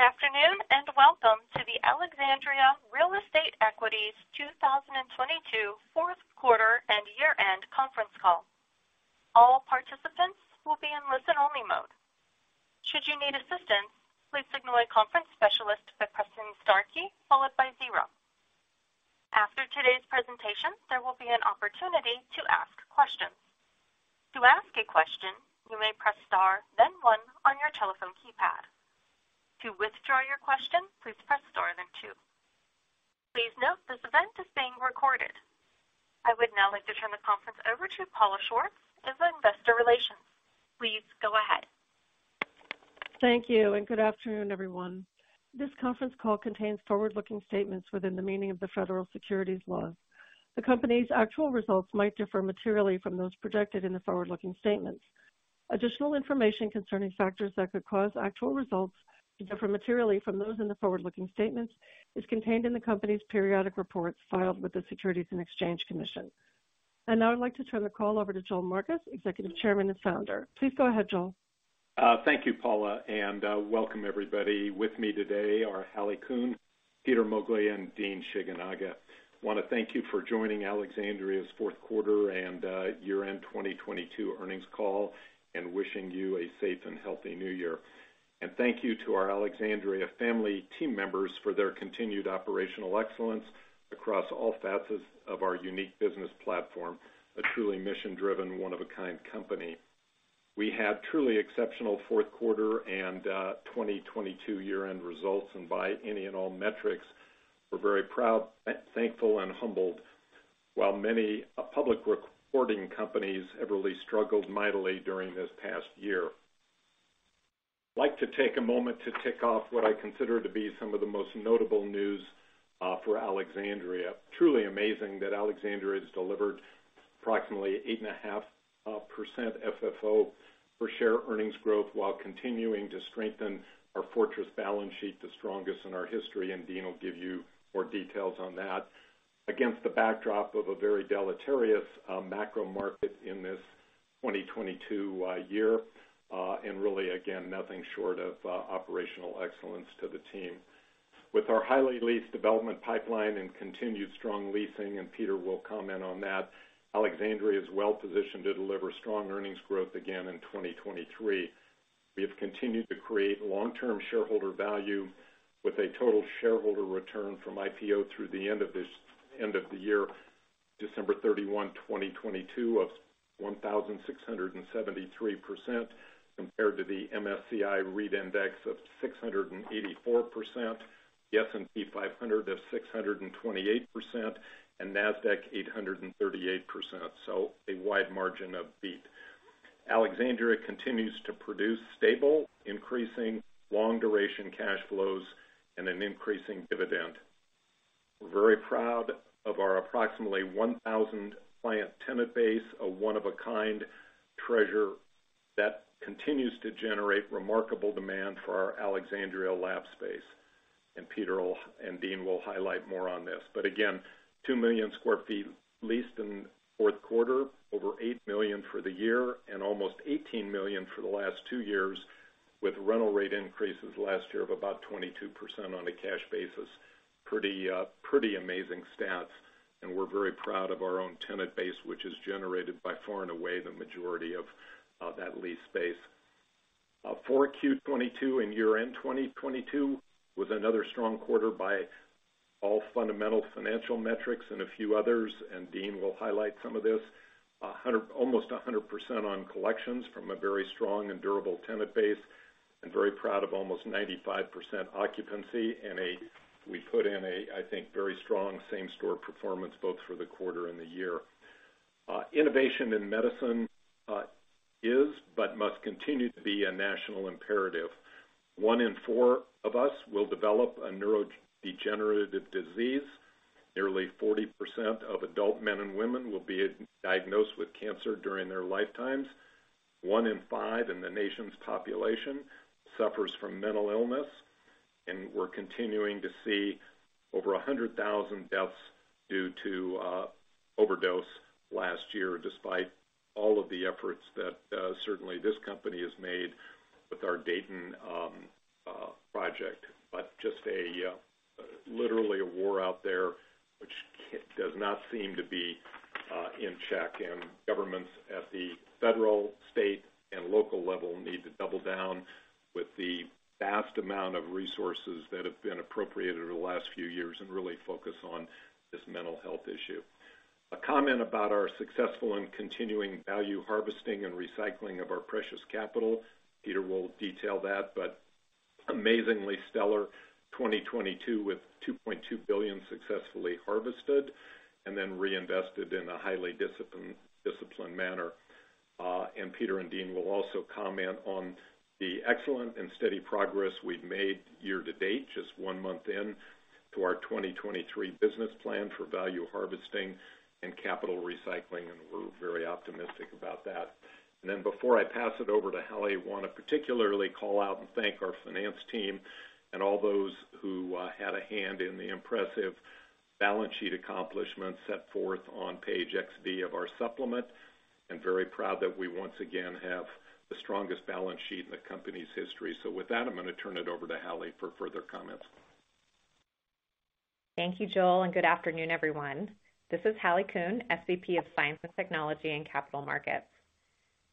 Good afternoon, welcome to the Alexandria Real Estate Equities 2022 fourth quarter and year-end conference call. All participants will be in listen-only mode. Should you need assistance, please signal a conference specialist by pressing star key followed by zero. After today's presentation, there will be an opportunity to ask questions. To ask a question, you may press star, then one on your telephone keypad. To withdraw your question, please press * then two. Please note this event is being recorded. I would now like to turn the conference over to Paula Schwartz of Investor Relations. Please go ahead. Thank you, and good afternoon, everyone. This conference call contains forward-looking statements within the meaning of the Federal Securities laws. The company's actual results might differ materially from those projected in the forward-looking statements. Additional information concerning factors that could cause actual results to differ materially from those in the forward-looking statements is contained in the company's periodic reports filed with the Securities and Exchange Commission. Now I'd like to turn the call over to Joel Marcus, Executive Chairman and Founder. Please go ahead, Joel. Thank you, Paula, welcome everybody. With me today are Hallie Kuhn, Peter M. Moglia, and Dean Shigenaga. Wanna thank you for joining Alexandria's fourth quarter and year-end 2022 earnings call, wishing you a safe and healthy new year. Thank you to our Alexandria family team members for their continued operational excellence across all facets of our unique business platform, a truly mission-driven, one of a kind company. We had truly exceptional fourth quarter and 2022 year-end results, by any and all metrics, we're very proud, thankful, and humbled, while many public reporting companies have really struggled mightily during this past year. Like to take a moment to tick off what I consider to be some of the most notable news for Alexandria. Truly amazing that Alexandria has delivered approximately 8.5% FFO for share earnings growth while continuing to strengthen our fortress balance sheet, the strongest in our history, and Dean will give you more details on that. Against the backdrop of a very deleterious macro market in this 2022 year, and really again, nothing short of operational excellence to the team. With our highly leased development pipeline and continued strong leasing, and Peter will comment on that, Alexandria is well positioned to deliver strong earnings growth again in 2023. We have continued to create long-term shareholder value with a total shareholder return from IPO through the end of the year, December 31, 2022, of 1,673% compared to the MSCI REIT index of 684%, the S&P 500 of 628%, and Nasdaq 838%, so a wide margin of beat. Alexandria continues to produce stable, increasing long duration cash flows and an increasing dividend. We're very proud of our approximately 1,000 client tenant base, a one of a kind treasure that continues to generate remarkable demand for our Alexandria lab space, and Dean will highlight more on this. Again, 2 million sq ft leased in fourth quarter, over $8 million for the year, and almost $18 million for the last two years, with rental rate increases last year of about 22% on a cash basis. Pretty, pretty amazing stats, and we're very proud of our own tenant base, which has generated by far and away the majority of that lease space. 4Q 2022 and year-end 2022 was another strong quarter by all fundamental financial metrics and a few others, and Dean will highlight some of this. Almost 100% on collections from a very strong and durable tenant base, and very proud of almost 95% occupancy and we put in a, I think, very strong same store performance both for the quarter and the year. Innovation in medicine is, but must continue to be a national imperative. One in four of us will develop a neurodegenerative disease. Nearly 40% of adult men and women will be diagnosed with cancer during their lifetimes. One in five in the nation's population suffers from mental illness, and we're continuing to see over 100,000 deaths due to overdose last year, despite all of the efforts that certainly this company has made with our Dayton project. Just a literally a war out there which does not seem to be in check, and governments at the federal, state, and local level need to double down with the vast amount of resources that have been appropriated over the last few years and really focus on this mental health issue. A comment about our successful and continuing value harvesting and recycling of our precious capital. Peter will detail that, amazingly stellar 2022 with $2.2 billion successfully harvested and then reinvested in a highly disciplined manner. Peter and Dean will also comment on the excellent and steady progress we've made year to date, just one month in to our 2023 business plan for value harvesting and capital recycling, we're very optimistic about that. Before I pass it over to Hallie, wanna particularly call out and thank our finance team and all those who had a hand in the impressive balance sheet accomplishments set forth on page XD of our supplement. I'm very proud that we once again have the strongest balance sheet in the company's history. With that, I'm gonna turn it over to Hallie for further comments. Thank you, Joel. Good afternoon, everyone. This is Hallie Kuhn, SVP of Science and Technology and Capital Markets.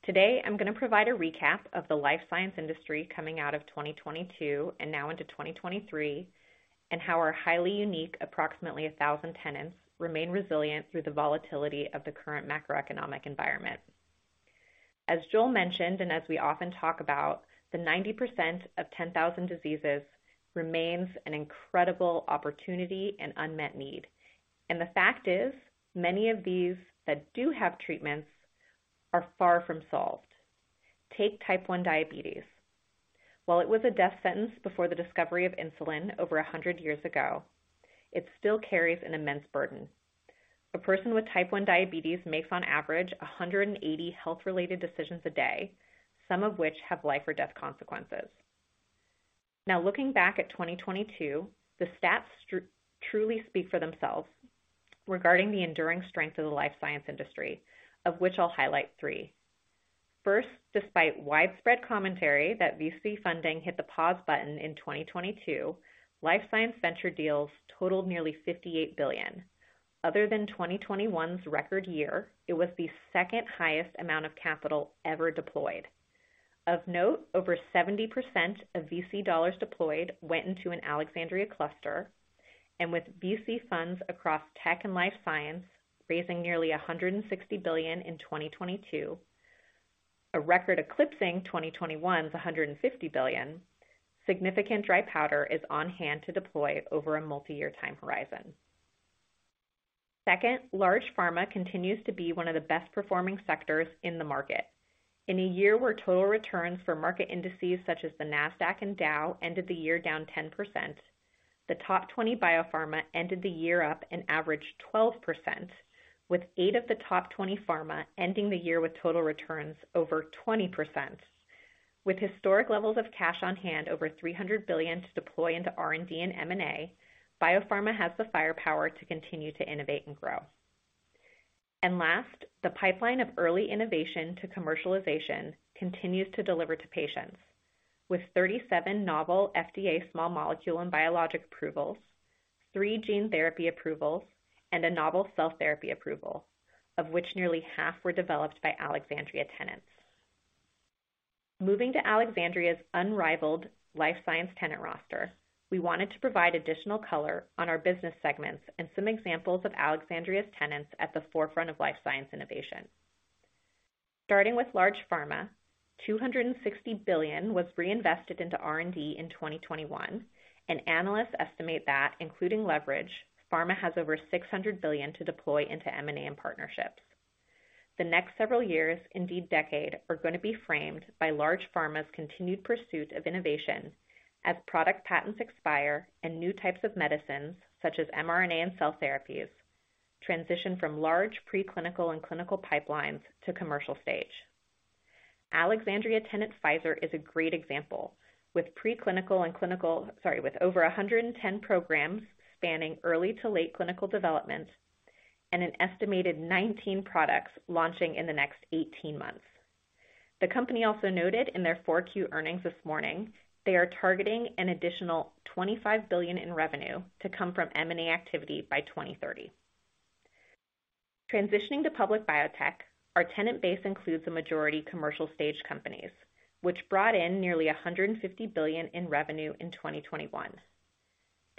Today, I'm gonna provide a recap of the life science industry coming out of 2022 and now into 2023, and how our highly unique approximately 1,000 tenants remain resilient through the volatility of the current macroeconomic environment. As Joel mentioned, and as we often talk about, the 90% of 10,000 diseases remains an incredible opportunity and unmet need. The fact is, many of these that do have treatments are far from solved. Take type 1 diabetes. While it was a death sentence before the discovery of insulin over 100 years ago, it still carries an immense burden. A person with type 1 diabetes makes, on average, 180 health-related decisions a day, some of which have life or death consequences. Looking back at 2022, the stats truly speak for themselves regarding the enduring strength of the life science industry, of which I'll highlight three. First, despite widespread commentary that VC funding hit the pause button in 2022, life science venture deals totaled nearly $58 billion. Other than 2021's record year, it was the second highest amount of capital ever deployed. Of note, over 70% of VC dollars deployed went into an Alexandria cluster, and with VC funds across tech and life science raising nearly $160 billion in 2022, a record eclipsing 2021's $150 billion, significant dry powder is on hand to deploy over a multiyear time horizon. Second, large pharma continues to be one of the best performing sectors in the market. In a year where total returns for market indices such as the Nasdaq and Dow ended the year down 10%, the top 20 biopharma ended the year up an average 12%, with eight of the top 20 pharma ending the year with total returns over 20%. With historic levels of cash on hand, over $300 billion to deploy into R&D and M&A, biopharma has the firepower to continue to innovate and grow. Last, the pipeline of early innovation to commercialization continues to deliver to patients. With 37 novel FDA small molecule and biologic approvals, three gene therapy approvals, and a novel cell therapy approval, of which nearly half were developed by Alexandria tenants. Moving to Alexandria's unrivaled life science tenant roster, we wanted to provide additional color on our business segments and some examples of Alexandria's tenants at the forefront of life science innovation. Starting with large pharma, $260 billion was reinvested into R&D in 2021. Analysts estimate that including leverage, pharma has over $600 billion to deploy into M&A and partnerships. The next several years, indeed decade, are gonna be framed by large pharma's continued pursuit of innovation as product patents expire and new types of medicines such as mRNA and cell therapies transition from large preclinical and clinical pipelines to commercial stage. Alexandria tenant Pfizer is a great example. With over 110 programs spanning early to late clinical development and an estimated 19 products launching in the next 18 months. The company also noted in their 4Q earnings this morning, they are targeting an additional $25 billion in revenue to come from M&A activity by 2030. Transitioning to public biotech, our tenant base includes a majority commercial stage companies, which brought in nearly $150 billion in revenue in 2021.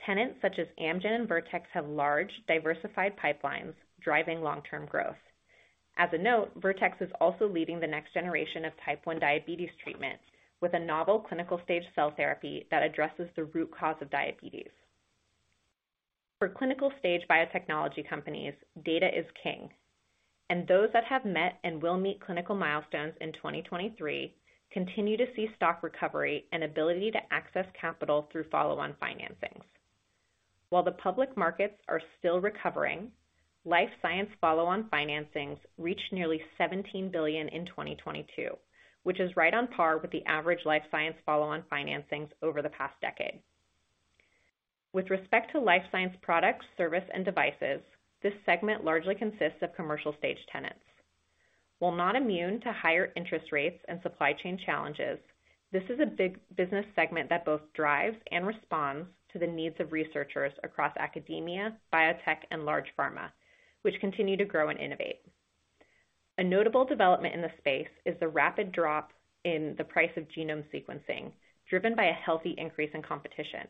Tenants such as Amgen and Vertex have large, diversified pipelines driving long-term growth. As a note, Vertex is also leading the next generation of type 1 diabetes treatment with a novel clinical stage cell therapy that addresses the root cause of diabetes. For clinical stage biotechnology companies, data is king, and those that have met and will meet clinical milestones in 2023 continue to see stock recovery and ability to access capital through follow-on financings. While the public markets are still recovering, life science follow-on financings reached nearly $17 billion in 2022, which is right on par with the average life science follow-on financings over the past decade. With respect to life science products, service, and devices, this segment largely consists of commercial stage tenants. While not immune to higher interest rates and supply chain challenges, this is a big business segment that both drives and responds to the needs of researchers across academia, biotech, and large pharma, which continue to grow and innovate. A notable development in the space is the rapid drop in the price of genome sequencing, driven by a healthy increase in competition.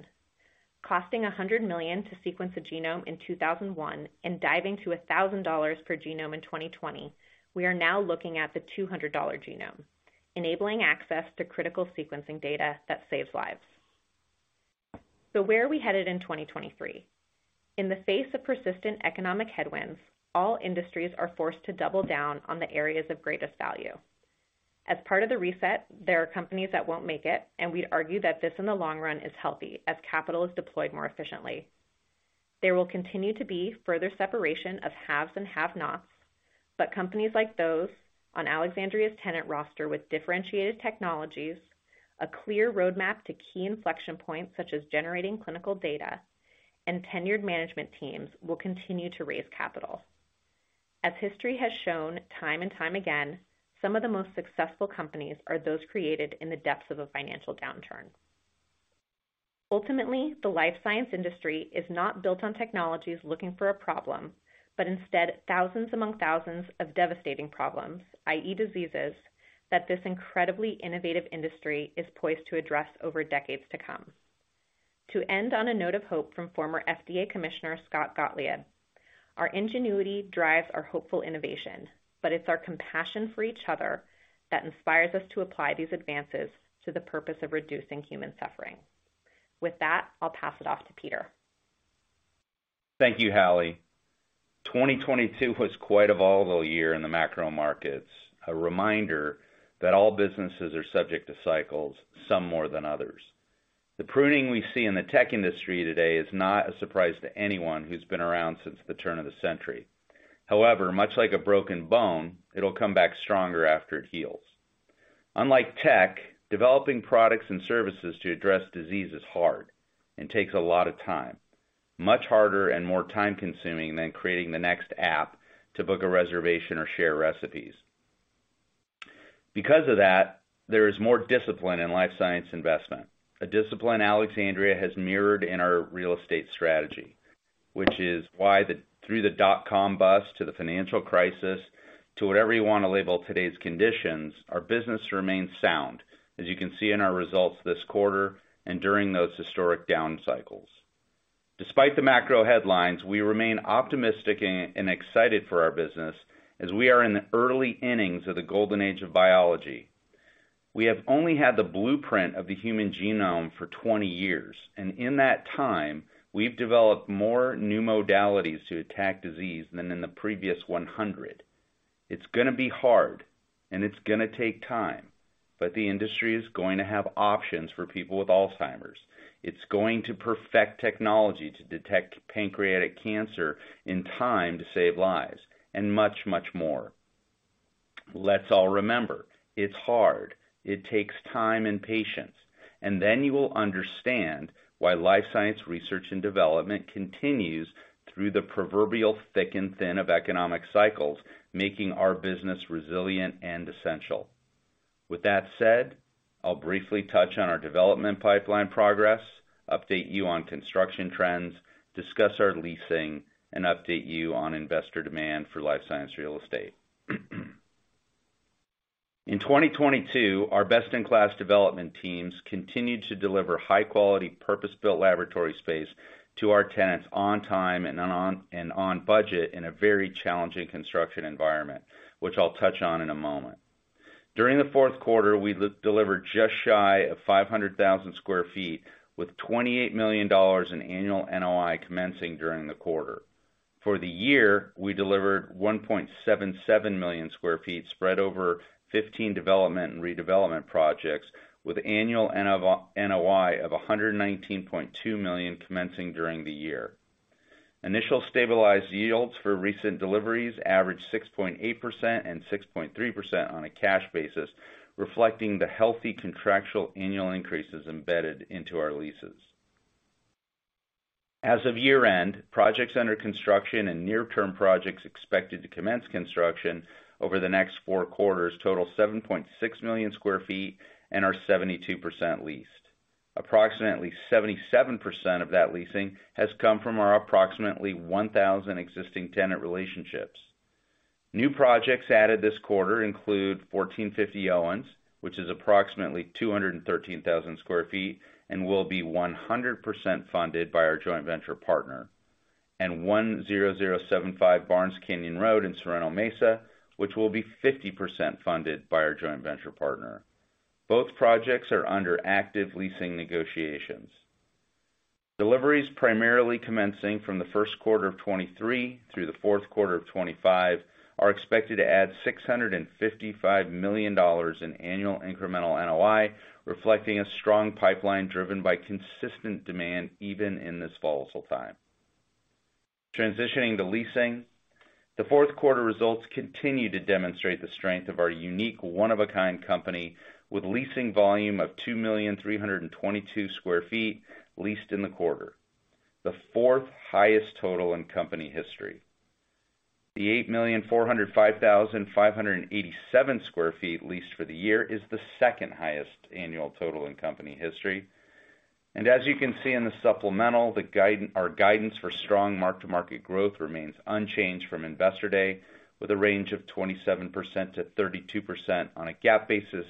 Costing $100 million to sequence a genome in 2001 and diving to $1,000 per genome in 2020, we are now looking at the $200 genome, enabling access to critical sequencing data that saves lives. Where are we headed in 2023? In the face of persistent economic headwinds, all industries are forced to double down on the areas of greatest value. As part of the reset, there are companies that won't make it, and we argue that this, in the long run, is healthy as capital is deployed more efficiently. There will continue to be further separation of haves and have-nots. Companies like those on Alexandria's tenant roster with differentiated technologies, a clear roadmap to key inflection points such as generating clinical data, and tenured management teams will continue to raise capital. As history has shown time and time again, some of the most successful companies are those created in the depths of a financial downturn. Ultimately, the life science industry is not built on technologies looking for a problem, but instead thousands among thousands of devastating problems, i.e., diseases, that this incredibly innovative industry is poised to address over decades to come. To end on a note of hope from former FDA Commissioner Scott Gottlieb, "Our ingenuity drives our hopeful innovation, but it's our compassion for each other that inspires us to apply these advances to the purpose of reducing human suffering." With that, I'll pass it off to Peter. Thank you, Hallie. 2022 was quite a volatile year in the macro markets, a reminder that all businesses are subject to cycles, some more than others. The pruning we see in the tech industry today is not a surprise to anyone who's been around since the turn of the century. However, much like a broken bone, it'll come back stronger after it heals. Unlike tech, developing products and services to address disease is hard and takes a lot of time. Much harder and more time-consuming than creating the next app to book a reservation or share recipes. Because of that, there is more discipline in life science investment, a discipline Alexandria has mirrored in our real estate strategy. Through the dot-com bust to the financial crisis, to whatever you wanna label today's conditions, our business remains sound, as you can see in our results this quarter and during those historic down cycles. Despite the macro headlines, we remain optimistic and excited for our business as we are in the early innings of the golden age of biology. We have only had the blueprint of the human genome for 20 years, and in that time, we've developed more new modalities to attack disease than in the previous 100. It's gonna be hard, and it's gonna take time, but the industry is going to have options for people with Alzheimer's. It's going to perfect technology to detect pancreatic cancer in time to save lives, and much, much more. Let's all remember, it's hard. It takes time and patience. You will understand why life science research and development continues through the proverbial thick and thin of economic cycles, making our business resilient and essential. With that said, I'll briefly touch on our development pipeline progress, update you on construction trends, discuss our leasing, and update you on investor demand for life science real estate. In 2022, our best-in-class development teams continued to deliver high-quality, purpose-built laboratory space to our tenants on time and on budget in a very challenging construction environment, which I'll touch on in a moment. During the fourth quarter, we de-delivered just shy of 500,000 sq ft with $28 million in annual NOI commencing during the quarter. For the year, we delivered 1.77 million sq ft spread over 15 development and redevelopment projects with annual NOI of $119.2 million commencing during the year. Initial stabilized yields for recent deliveries averaged 6.8% and 6.3% on a cash basis, reflecting the healthy contractual annual increases embedded into our leases. As of year-end, projects under construction and near-term projects expected to commence construction over the next four quarters total 7.6 million sq ft and are 72% leased. Approximately 77% of that leasing has come from our approximately 1,000 existing tenant relationships. New projects added this quarter include 1450 Owens, which is approximately 213,000 sq ft and will be 100% funded by our joint venture partner, and 10075 Barnes Canyon Road in Sorrento Mesa, which will be 50% funded by our joint venture partner. Both projects are under active leasing negotiations. Deliveries primarily commencing from the first quarter of 2023 through the fourth quarter of 2025 are expected to add $655 million in annual incremental NOI, reflecting a strong pipeline driven by consistent demand even in this volatile time. Transitioning to leasing. The fourth quarter results continue to demonstrate the strength of our unique one-of-a-kind company with leasing volume of 2,322,000 sq ft leased in the quarter. The fourth highest total in company history. The 8,405,587 sq ft leased for the year is the second highest annual total in company history. As you can see in the supplemental, our guidance for strong mark-to-market growth remains unchanged from Investor Day, with a range of 27%-32% on a GAAP basis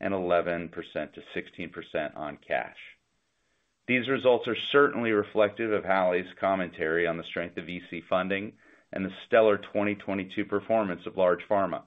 and 11%-16% on cash. These results are certainly reflective of Hallie's commentary on the strength of VC funding and the stellar 2022 performance of large pharma.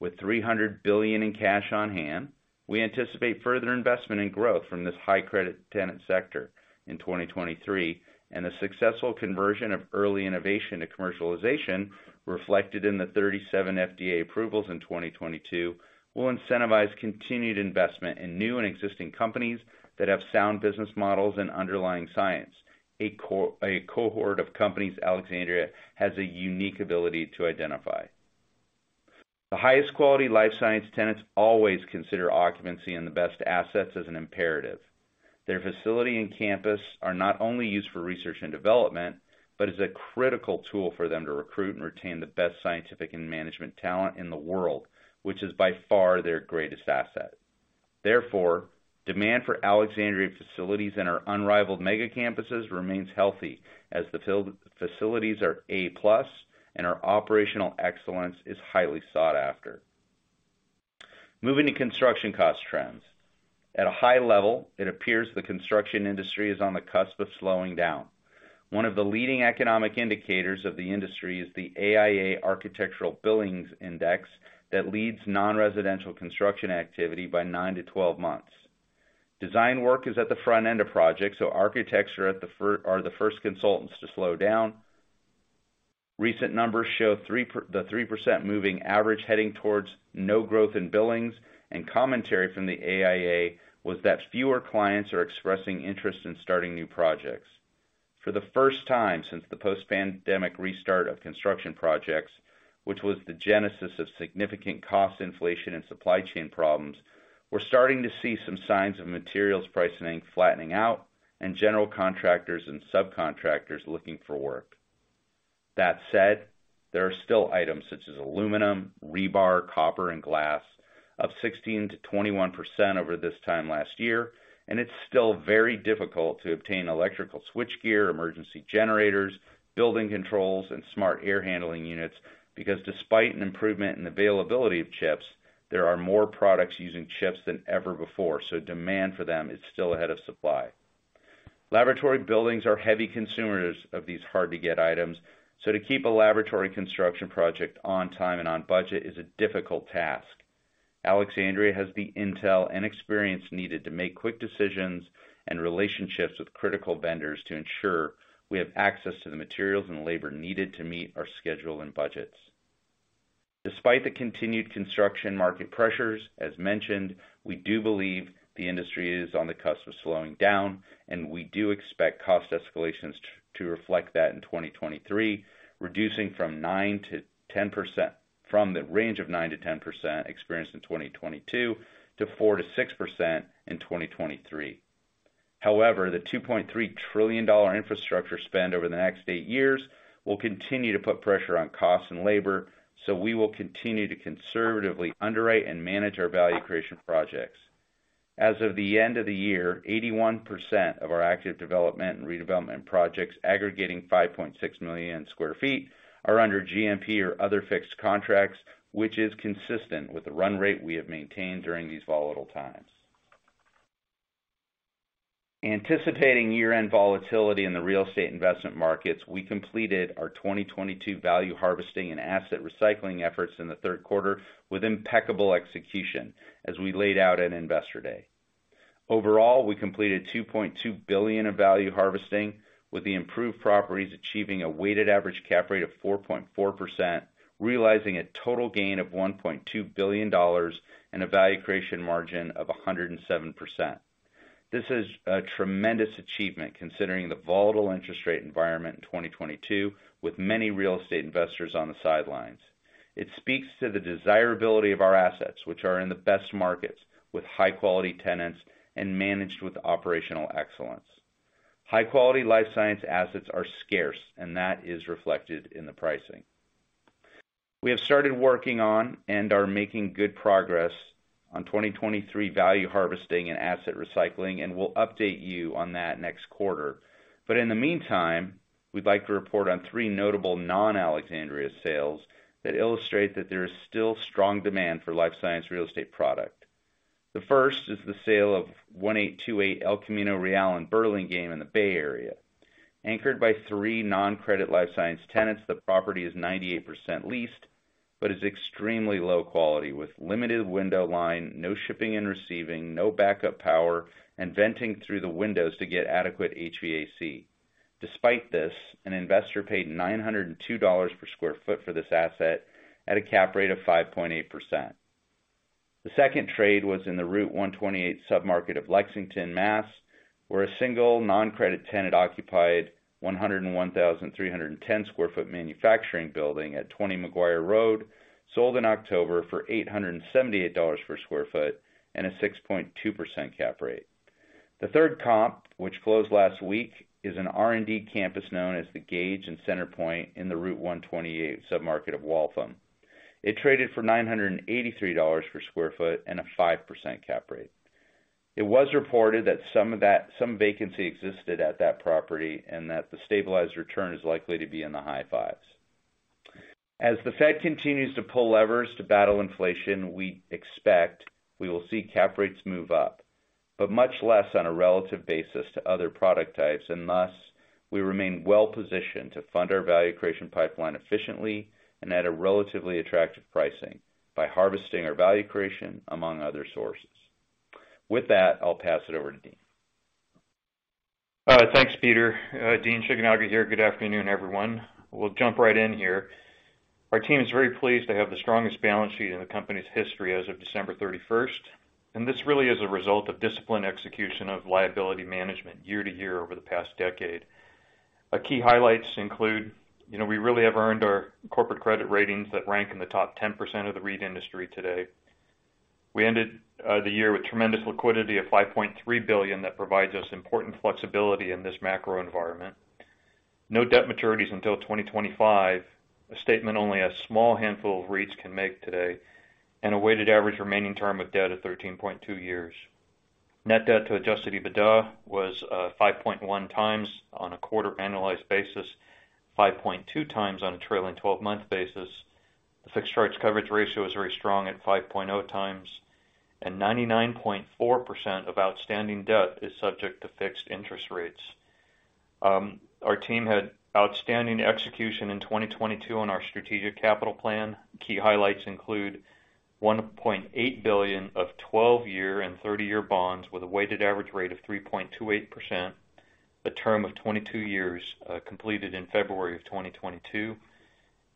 With $300 billion in cash on hand, we anticipate further investment and growth from this high credit tenant sector in 2023, and the successful conversion of early innovation to commercialization reflected in the 37 FDA approvals in 2022 will incentivize continued investment in new and existing companies that have sound business models and underlying science. A cohort of companies Alexandria has a unique ability to identify. The highest quality life science tenants always consider occupancy in the best assets as an imperative. Their facility and campus are not only used for research and development, but is a critical tool for them to recruit and retain the best scientific and management talent in the world, which is by far their greatest asset. Therefore, demand for Alexandria facilities and our unrivaled mega campuses remains healthy as facilities are A plus, and our operational excellence is highly sought after. Moving to construction cost trends. At a high level, it appears the construction industry is on the cusp of slowing down. One of the leading economic indicators of the industry is the AIA Architectural Billings Index that leads non-residential construction activity by nine-12 months. Design work is at the front end of projects, architecture are the first consultants to slow down. Recent numbers show the 3% moving average heading towards no growth in billings, and commentary from the AIA was that fewer clients are expressing interest in starting new projects. For the first time since the post-pandemic restart of construction projects, which was the genesis of significant cost inflation and supply chain problems, we're starting to see some signs of materials pricing flattening out and general contractors and subcontractors looking for work. That said, there are still items such as aluminum, rebar, copper, and glass up 16%-21% over this time last year, and it's still very difficult to obtain electrical switchgear, emergency generators, building controls, and smart air handling units because despite an improvement in availability of chips, there are more products using chips than ever before, so demand for them is still ahead of supply. Laboratory buildings are heavy consumers of these hard to get items, so to keep a laboratory construction project on time and on budget is a difficult task. Alexandria has the intel and experience needed to make quick decisions and relationships with critical vendors to ensure we have access to the materials and labor needed to meet our schedule and budgets. Despite the continued construction market pressures, as mentioned, we do believe the industry is on the cusp of slowing down, and we do expect cost escalations to reflect that in 2023, reducing from the range of 9%-10% experienced in 2022 to 4%-6% in 2023. However, the $2.3 trillion infrastructure spend over the next eight years will continue to put pressure on costs and labor, so we will continue to conservatively underwrite and manage our value creation projects. As of the end of the year, 81% of our active development and redevelopment projects aggregating 5.6 million sq ft are under GMP or other fixed contracts, which is consistent with the run rate we have maintained during these volatile times. Anticipating year-end volatility in the real estate investment markets, we completed our 2022 value harvesting and asset recycling efforts in the third quarter with impeccable execution as we laid out at Investor Day. Overall, we completed $2.2 billion of value harvesting with the improved properties achieving a weighted average cap rate of 4.4%, realizing a total gain of $1.2 billion and a value creation margin of 107%. This is a tremendous achievement considering the volatile interest rate environment in 2022 with many real estate investors on the sidelines. It speaks to the desirability of our assets, which are in the best markets with high quality tenants and managed with operational excellence. High quality life science assets are scarce, and that is reflected in the pricing. We have started working on and are making good progress on 2023 value harvesting and asset recycling. We'll update you on that next quarter. In the meantime, we'd like to report on three notable non-Alexandria sales that illustrate that there is still strong demand for life science real estate product. The first is the sale of 1828 El Camino Real in Burlingame in the Bay Area. Anchored by three non-credit life science tenants, the property is 98% leased, but is extremely low quality with limited window line, no shipping and receiving, no backup power, and venting through the windows to get adequate HVAC. Despite this, an investor paid $902 per sq ft for this asset at a cap rate of 5.8%. The second trade was in the Route 128 submarket of Lexington, Mass, where a single non-credit tenant occupied 101,310 sq ft manufacturing building at 20 McGuire Road, sold in October for $878 per sq ft and a 6.2% cap rate. The third comp, which closed last week, is an R&D campus known as The Gauge and CenterPoint in the Route 128 submarket of Waltham. It traded for $983 per sq ft and a 5% cap rate. It was reported that some vacancy existed at that property and that the stabilized return is likely to be in the high fives. As the Fed continues to pull levers to battle inflation, we expect we will see cap rates move up, but much less on a relative basis to other product types, and thus, we remain well positioned to fund our value creation pipeline efficiently and at a relatively attractive pricing by harvesting our value creation among other sources. With that, I'll pass it over to Dean. Thanks, Peter. Dean Shigenaga here. Good afternoon, everyone. We'll jump right in here. Our team is very pleased to have the strongest balance sheet in the company's history as of December 31st. This really is a result of disciplined execution of liability management year to year over the past decade. Our key highlights include, you know, we really have earned our corporate credit ratings that rank in the top 10% of the REIT industry today. We ended the year with tremendous liquidity of $5.3 billion that provides us important flexibility in this macro environment. No debt maturities until 2025, a statement only a small handful of REITs can make today, and a weighted average remaining term of debt of 13.2 years. Net debt to adjusted EBITDA was 5.1x on a quarterly annualized basis, 5.2x on a trailing 12 month basis. The fixed charge coverage ratio is very strong at 5.0x, and 99.4% of outstanding debt is subject to fixed interest rates. Our team had outstanding execution in 2022 on our strategic capital plan. Key highlights include $1.8 billion of 12-year and 30-year bonds with a weighted average rate of 3.28%, a term of 22 years, completed in February of 2022.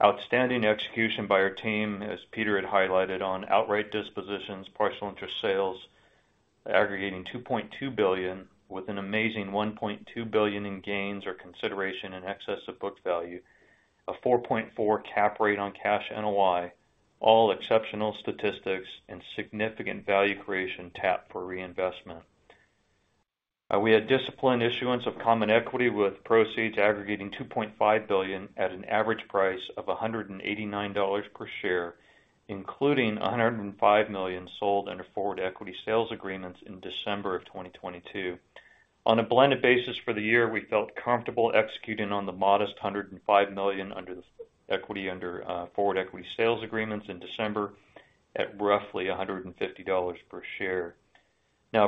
Outstanding execution by our team, as Peter had highlighted, on outright dispositions, partial interest sales aggregating $2.2 billion with an amazing $1.2 billion in gains or consideration in excess of book value. A 4.4% cap rate on cash NOI, all exceptional statistics and significant value creation tapped for reinvestment. We had disciplined issuance of common equity with proceeds aggregating $2.5 billion at an average price of $189 per share, including $105 million sold under forward equity sales agreements in December 2022. On a blended basis for the year, we felt comfortable executing on the modest $105 million under the equity under forward equity sales agreements in December at roughly $150 per share.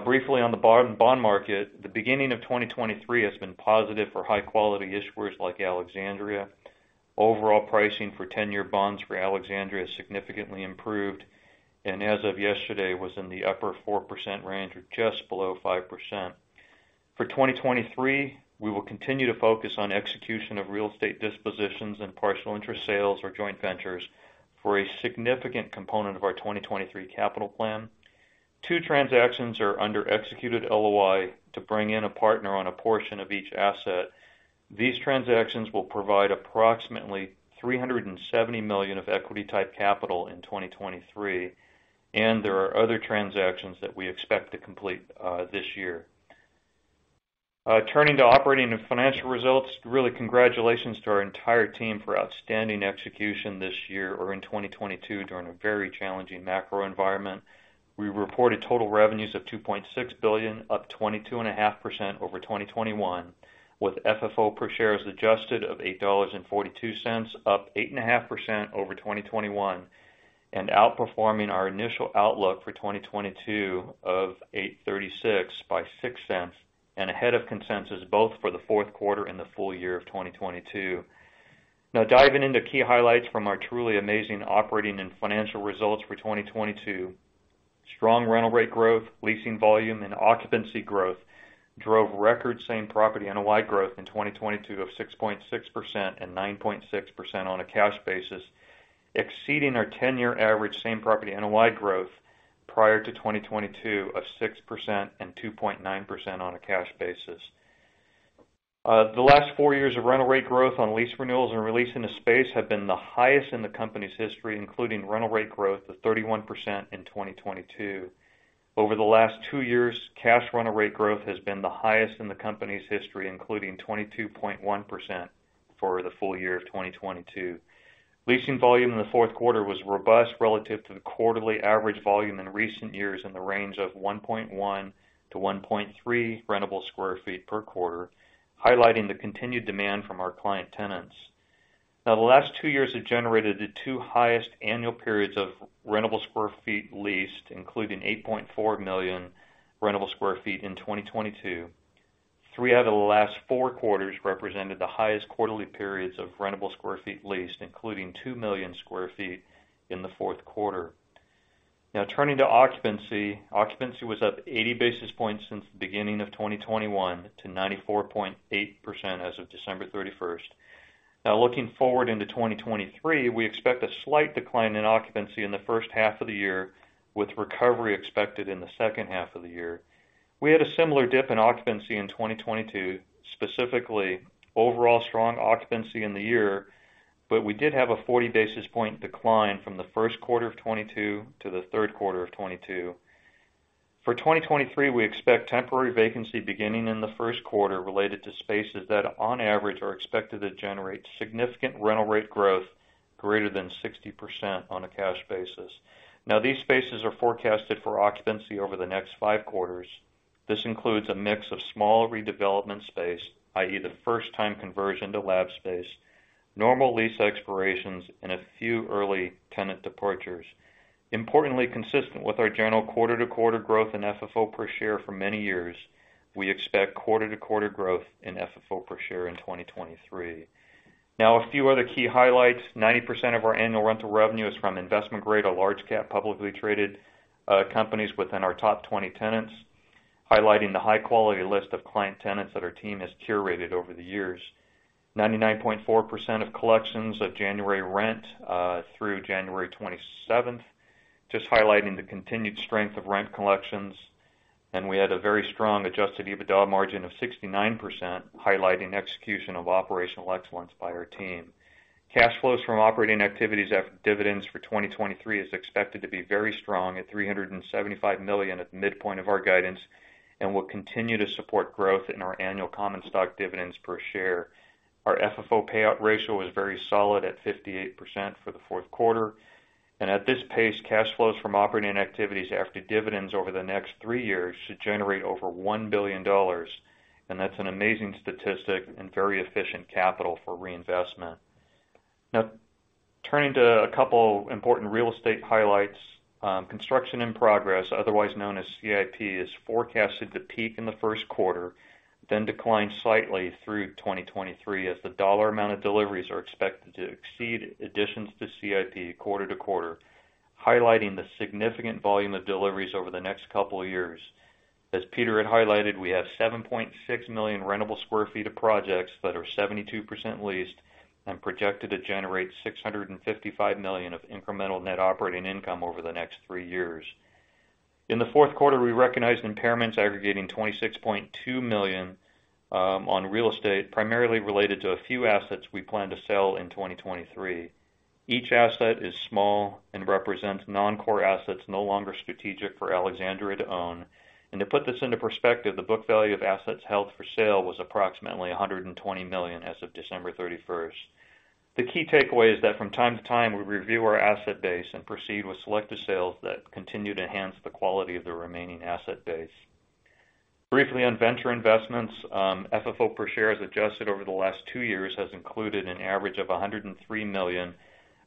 Briefly on the bond market, the beginning of 2023 has been positive for high-quality issuers like Alexandria. Overall pricing for 10-year bonds for Alexandria has significantly improved, and as of yesterday, was in the upper 4% range or just below 5%. For 2023, we will continue to focus on execution of real estate dispositions and partial interest sales or joint ventures for a significant component of our 2023 capital plan. Two transactions are under executed LOI to bring in a partner on a portion of each asset. These transactions will provide approximately $370 million of equity-type capital in 2023. There are other transactions that we expect to complete this year. Turning to operating and financial results, really congratulations to our entire team for outstanding execution this year or in 2022 during a very challenging macro environment. We reported total revenues of $2.6 billion, up 22.5% over 2021, with FFO per share as adjusted of $8.42, up 8.5% over 2021, and outperforming our initial outlook for 2022 of $8.36 by $0.06, and ahead of consensus both for the fourth quarter and the full year of 2022. Now, diving into key highlights from our truly amazing operating and financial results for 2022. Strong rental rate growth, leasing volume and occupancy growth drove record same property NOI growth in 2022 of 6.6% and 9.6% on a cash basis, exceeding our 10-year average same property NOI growth prior to 2022 of 6% and 2.9% on a cash basis. The last four years of rental rate growth on lease renewals and release into space have been the highest in the company's history, including rental rate growth of 31% in 2022. Over the last two years, cash rental rate growth has been the highest in the company's history, including 22.1% for the full year of 2022. Leasing volume in the fourth quarter was robust relative to the quarterly average volume in recent years in the range of 1.1-1.3 rentable square feet per quarter, highlighting the continued demand from our client tenants. The last two years have generated the two highest annual periods of rentable square feet leased, including 8.4 million rentable square feet in 2022. Three out of the last four quarters represented the highest quarterly periods of rentable square feet leased, including 2 million sq ft in the fourth quarter. Turning to occupancy. Occupancy was up 80 basis points since the beginning of 2021 to 94.8% as of December 31st. Looking forward into 2023, we expect a slight decline in occupancy in the first half of the year, with recovery expected in the second half of the year. We had a similar dip in occupancy in 2022, specifically overall strong occupancy in the year, but we did have a 40 basis point decline from the first quarter of 2022 to the third quarter of 2022. For 2023, we expect temporary vacancy beginning in the first quarter related to spaces that, on average, are expected to generate significant rental rate growth greater than 60% on a cash basis. These spaces are forecasted for occupancy over the next five quarters. This includes a mix of small redevelopment space, i.e., the first time conversion to lab space, normal lease expirations, and a few early tenant departures. Importantly consistent with our general quarter-to-quarter growth in FFO per share for many years, we expect quarter-to-quarter growth in FFO per share in 2023. A few other key highlights. 90% of our annual rental revenue is from investment-grade or large cap publicly traded companies within our top 20 tenants, highlighting the high-quality list of client tenants that our team has curated over the years. 99.4% of collections of January rent, through January 27th, just highlighting the continued strength of rent collections. We had a very strong adjusted EBITDA margin of 69%, highlighting execution of operational excellence by our team. Cash flows from operating activities after dividends for 2023 is expected to be very strong at $375 million at the midpoint of our guidance, and will continue to support growth in our annual common stock dividends per share. Our FFO payout ratio was very solid at 58% for the fourth quarter. At this pace, cash flows from operating activities after dividends over the next three years should generate over $1 billion. That's an amazing statistic and very efficient capital for reinvestment. Now, turning to a couple important real estate highlights. Construction in progress, otherwise known as CIP, is forecasted to peak in the first quarter, then decline slightly through 2023 as the dollar amount of deliveries are expected to exceed additions to CIP quarter to quarter, highlighting the significant volume of deliveries over the next couple of years. As Peter had highlighted, we have 7.6 million rentable sq ft of projects that are 72% leased and projected to generate $655 million of incremental net operating income over the next three years. In the fourth quarter, we recognized impairments aggregating $26.2 million on real estate, primarily related to a few assets we plan to sell in 2023. Each asset is small and represents non-core assets no longer strategic for Alexandria to own. To put this into perspective, the book value of assets held for sale was approximately $120 million as of December 31st. The key takeaway is that from time to time, we review our asset base and proceed with selective sales that continue to enhance the quality of the remaining asset base. Briefly on venture investments, FFO per share as adjusted over the last two years has included an average of $103 million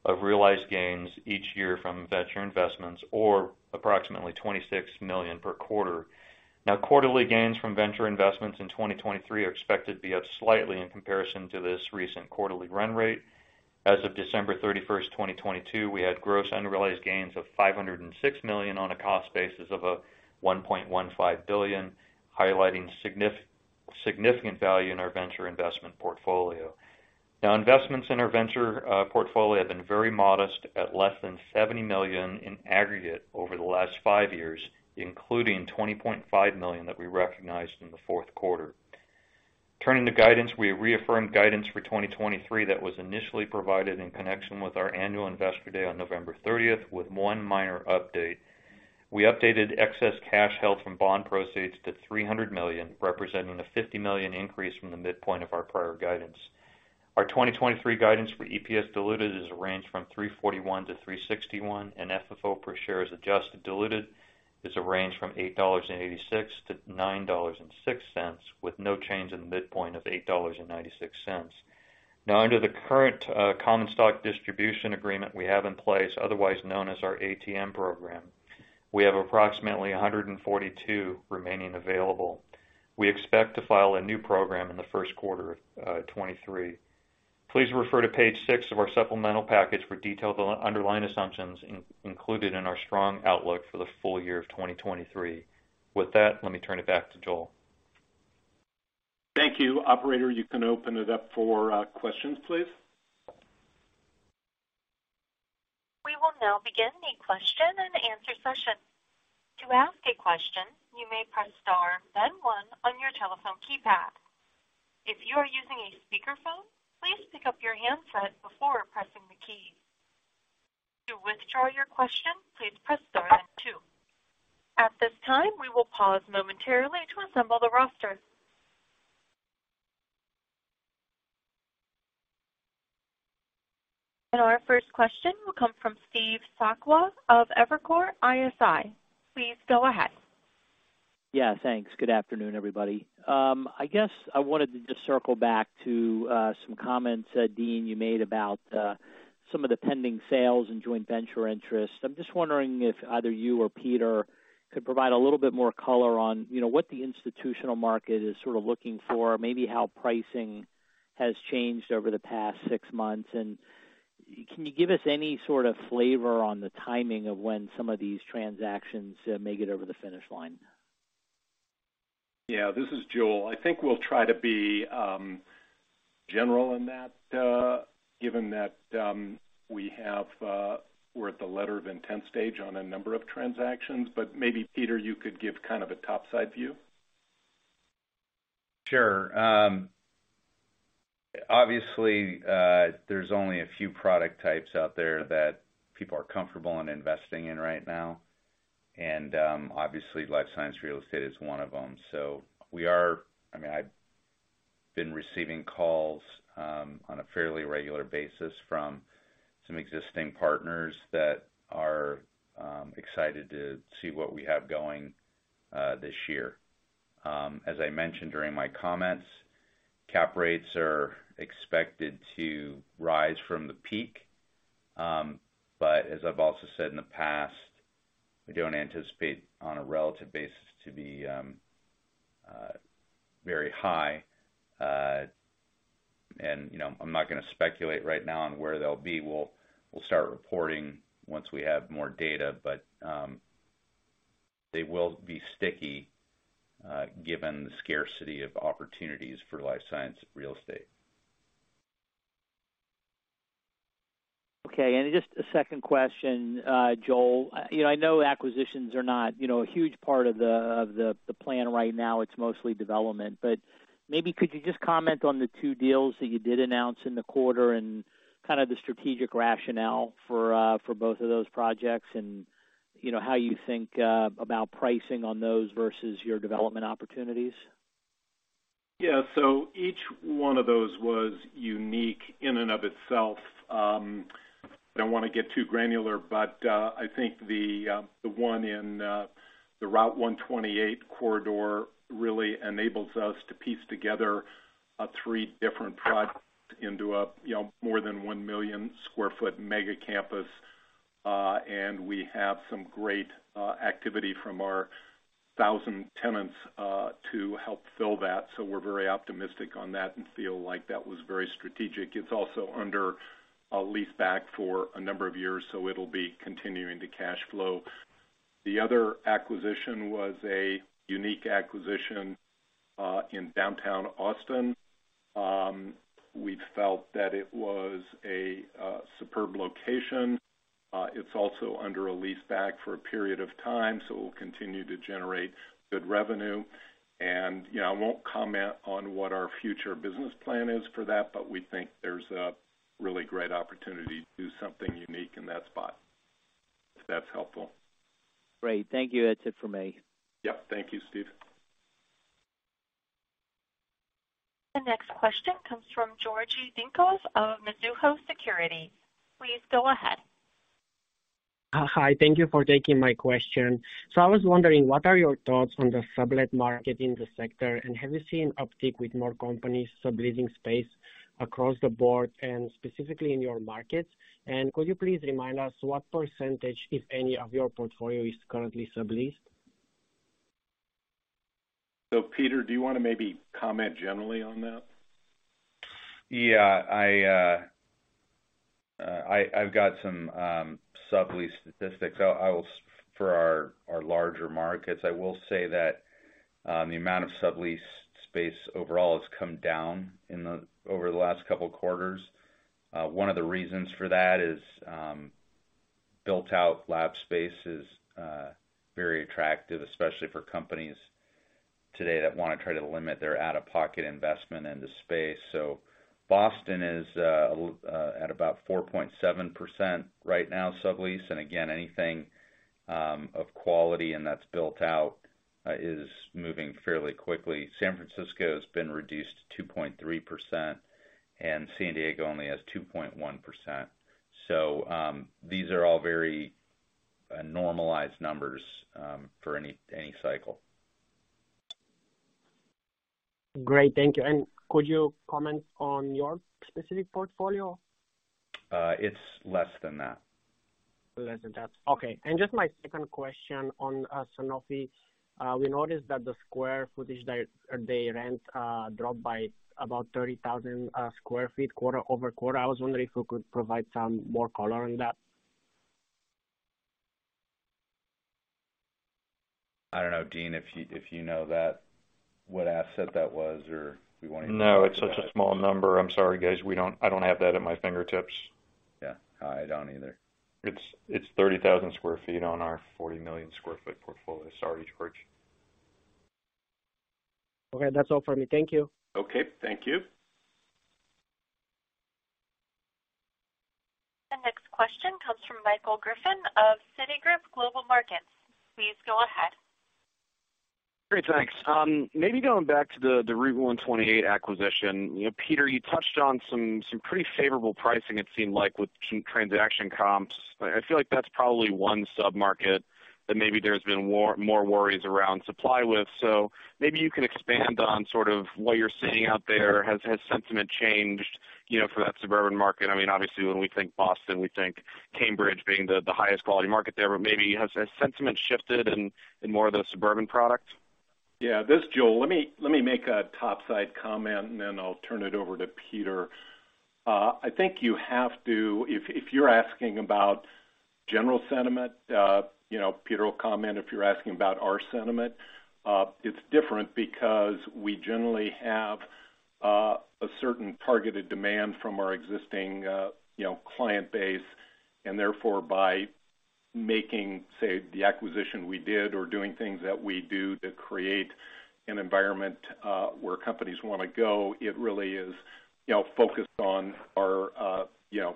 of realized gains each year from venture investments, or approximately $26 million per quarter. Quarterly gains from venture investments in 2023 are expected to be up slightly in comparison to this recent quarterly run rate. As of December 31st, 2022, we had gross unrealized gains of $506 million on a cost basis of $1.15 billion, highlighting significant value in our venture investment portfolio. Investments in our venture portfolio have been very modest at less than $70 million in aggregate over the last five years, including $20.5 million that we recognized in the fourth quarter. Turning to guidance, we have reaffirmed guidance for 2023 that was initially provided in connection with our annual Investor Day on November 30th with one minor update. We updated excess cash held from bond proceeds to $300 million, representing a $50 million increase from the midpoint of our prior guidance. Our 2023 guidance for EPS diluted is a range from $3.41-$3.61, and FFO per share as adjusted, diluted is a range from $8.86-$9.06, with no change in the midpoint of $8.96. Under the current common stock distribution agreement we have in place, otherwise known as our ATM program, we have approximately 142 remaining available. We expect to file a new program in the first quarter of 2023. Please refer to page six of our supplemental package for detailed underlying assumptions included in our strong outlook for the full year of 2023. Let me turn it back to Joel. Thank you. Operator, you can open it up for questions, please. We will now begin the question and answer session. To ask a question, you may press star then one on your telephone keypad. If you are using a speakerphone, please pick up your handset before pressing the key. To withdraw your question, please press star then two. At this time, we will pause momentarily to assemble the roster. Our first question will come from Steve Sakwa of Evercore ISI. Please go ahead. Yeah, thanks. Good afternoon, everybody. I guess I wanted to just circle back to some comments Dean, you made about some of the pending sales and joint venture interests. I'm just wondering if either you or Peter could provide a little bit more color on, you know, what the institutional market is sort of looking for, maybe how pricing has changed over the past six months? Can you give us any sort of flavor on the timing of when some of these transactions may get over the finish line? Yeah, this is Joel. I think we'll try to be general in that, given that, we have, we're at the letter of intent stage on a number of transactions, but maybe Peter, you could give kind of a top side view. Sure. Obviously, there's only a few product types out there that people are comfortable in investing in right now, and obviously, life science real estate is one of them. I mean, I've been receiving calls on a fairly regular basis from some existing partners that are excited to see what we have going this year. As I mentioned during my comments, cap rates are expected to rise from the peak. As I've also said in the past, we don't anticipate on a relative basis to be very high. You know, I'm not gonna speculate right now on where they'll be. We'll start reporting once we have more data, but they will be sticky given the scarcity of opportunities for life science real estate. Okay. Just a second question, Joel. You know, I know acquisitions are not, you know, a huge part of the, of the plan right now, it's mostly development. Maybe could you just comment on the two deals that you did announce in the quarter and kind of the strategic rationale for both of those projects and, you know, how you think about pricing on those versus your development opportunities? Yeah. Each one of those was unique in and of itself. I don't wanna get too granular, but I think the one in the Route 128 corridor really enables us to piece together three different projects into a, you know, more than 1 million square foot mega campus. We have some great activity from our 1,000 tenants to help fill that. We're very optimistic on that and feel like that was very strategic. It's also under a leaseback for a number of years, so it'll be continuing to cash flow. The other acquisition was a unique acquisition in downtown Austin. We felt that it was a superb location. It's also under a leaseback for a period of time, so it'll continue to generate good revenue. You know, I won't comment on what our future business plan is for that, but we think there's a really great opportunity to do something unique in that spot, if that's helpful. Great. Thank you. That's it for me. Yeah. Thank you, Steve. The next question comes from Georgi Dinkov of Mizuho Securities. Please go ahead. Hi, thank you for taking my question. I was wondering, what are your thoughts on the sublet market in the sector, and have you seen uptick with more companies subleasing space across the board and specifically in your markets? Could you please remind us what percentage, if any, of your portfolio is currently subleased? Peter, do you wanna maybe comment generally on that? Yeah. I've got some sublease statistics. For our larger markets, I will say that the amount of sublease space overall has come down over the last couple of quarters. One of the reasons for that is built out lab space is very attractive, especially for companies today that wanna try to limit their out-of-pocket investment into space. Boston is at about 4.7% right now, sublease. Again, anything of quality and that's built out is moving fairly quickly. San Francisco has been reduced to 2.3%, and San Diego only has 2.1%. These are all very normalized numbers for any cycle. Great. Thank you. Could you comment on your specific portfolio? It's less than that. Less than that. Okay. Just my second question on Sanofi. We noticed that the square footage they rent dropped by about 30,000 sq ft quarter-over-quarter. I was wondering if you could provide some more color on that. I don't know, Dean, if you know that, what asset that was or if you. No, it's such a small number. I'm sorry, guys. I don't have that at my fingertips. Yeah. I don't either. It's 30,000 sq ft on our 40 million sq ft portfolio. Sorry, Georgi. Okay. That's all for me. Thank you. Okay, thank you. The next question comes from Michael Griffin of Citigroup Global Markets. Please go ahead. Great. Thanks. Maybe going back to the Route 128 acquisition. You know, Peter, you touched on some pretty favorable pricing, it seemed like, with some transaction comps. I feel like that's probably one sub-market that maybe there's been more worries around supply with. Maybe you can expand on sort of what you're seeing out there. Has sentiment changed, you know, for that suburban market? I mean, obviously, when we think Boston, we think Cambridge being the highest quality market there. Maybe has sentiment shifted in more of the suburban products? Yeah. This is Joel. Let me make a top side comment. Then I'll turn it over to Peter. If you're asking about general sentiment, you know, Peter will comment if you're asking about our sentiment. It's different because we generally have a certain targeted demand from our existing, you know, client base, and therefore, by making, say, the acquisition we did or doing things that we do to create an environment where companies wanna go, it really is, you know, focused on our, you know,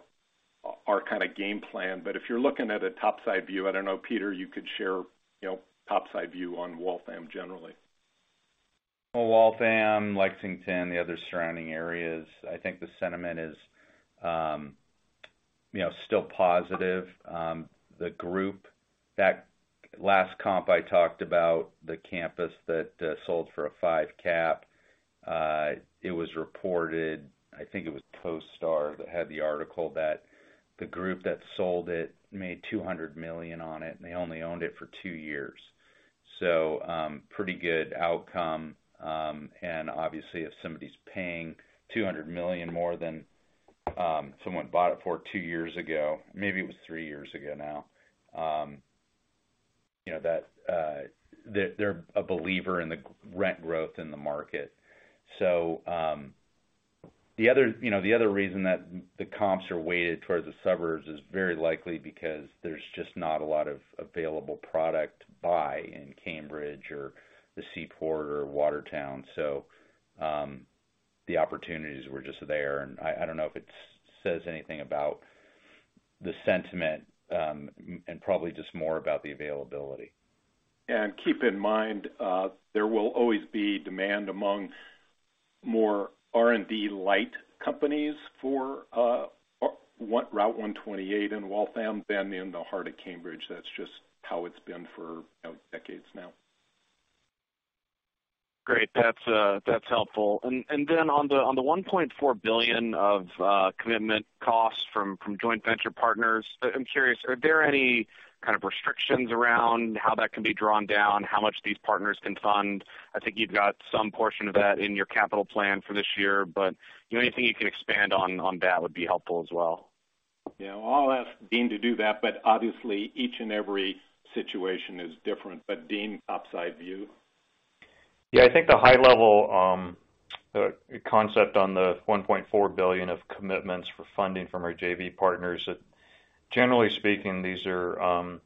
our kind of game plan. If you're looking at a top side view, I don't know, Peter, you could share, you know, top side view on Waltham generally. Waltham, Lexington, the other surrounding areas, I think the sentiment is, you know, still positive. That last comp I talked about, the campus that sold for a 5 cap, it was reported, I think it was CoStar that had the article, that the group that sold it made $200 million on it, and they only owned it for two years. Pretty good outcome. Obviously, if somebody's paying $200 million more than someone bought it for two years ago, maybe it was three years ago now. You know, that, they're a believer in the rent growth in the market. The other, you know, the other reason that the comps are weighted towards the suburbs is very likely because there's just not a lot of available product to buy in Cambridge or the Seaport or Watertown. The opportunities were just there. I don't know if it says anything about the sentiment, and probably just more about the availability. Keep in mind, there will always be demand among more R&D light companies for Route 128 in Waltham than in the heart of Cambridge. That's just how it's been for, you know, decades now. Great. That's helpful. Then on the $1.4 billion of commitment costs from joint venture partners, I'm curious, are there any kind of restrictions around how that can be drawn down, how much these partners can fund? I think you've got some portion of that in your capital plan for this year, but, you know, anything you can expand on that would be helpful as well. Yeah. I'll ask Dean to do that, but obviously each and every situation is different. Dean, top side view. Yeah. I think the high level concept on the $1.4 billion of commitments for funding from our JV partners, that generally speaking, these are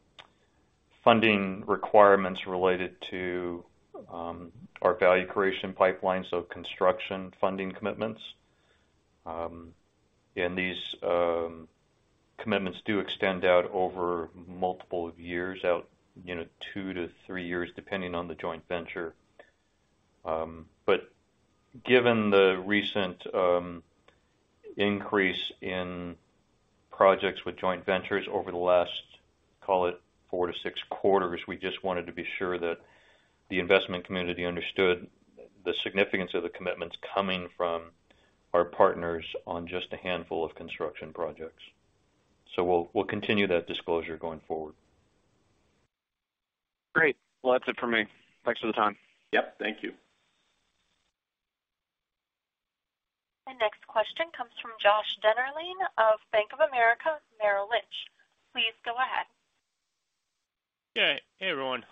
funding requirements related to our value creation pipeline, so construction funding commitments. These commitments do extend out over multiple years, out, you know, two-three years, depending on the joint venture. Given the recent increase in projects with joint ventures over the last, call it, fourtsix quarters, we just wanted to be sure that the investment community understood the significance of the commitments coming from our partners on just a handful of construction projects. We'll continue that disclosure going forward. Great. That's it for me. Thanks for the time. Yep. Thank you. The next question comes from Joshua Dennerlein of Bank of America Merrill Lynch. Please go ahead. Yeah. Hey, everyone.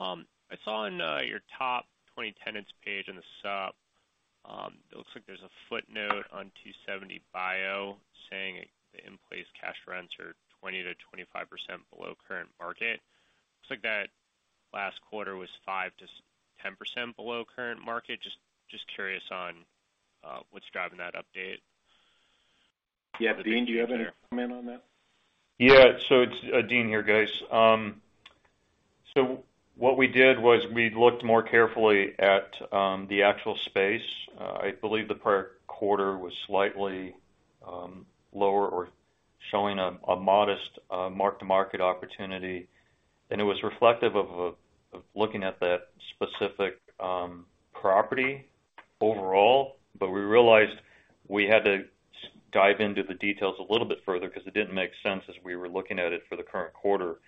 I saw on your top 20 tenants page in the sup, it looks like there's a footnote on 2seventy bio. saying the in-place cash rents are 20%-25% below current market. Looks like that last quarter was 5%-10% below current market. Just curious on what's driving that update? Yeah. Dean, do you have any comment on that? It's Dean here, guys. What we did was we looked more carefully at the actual space. I believe the prior quarter was slightly lower or showing a modest mark-to-market opportunity. It was reflective of looking at that specific property overall. We realized we had to dive into the details a little bit further 'cause it didn't make sense as we were looking at it for the current quarter.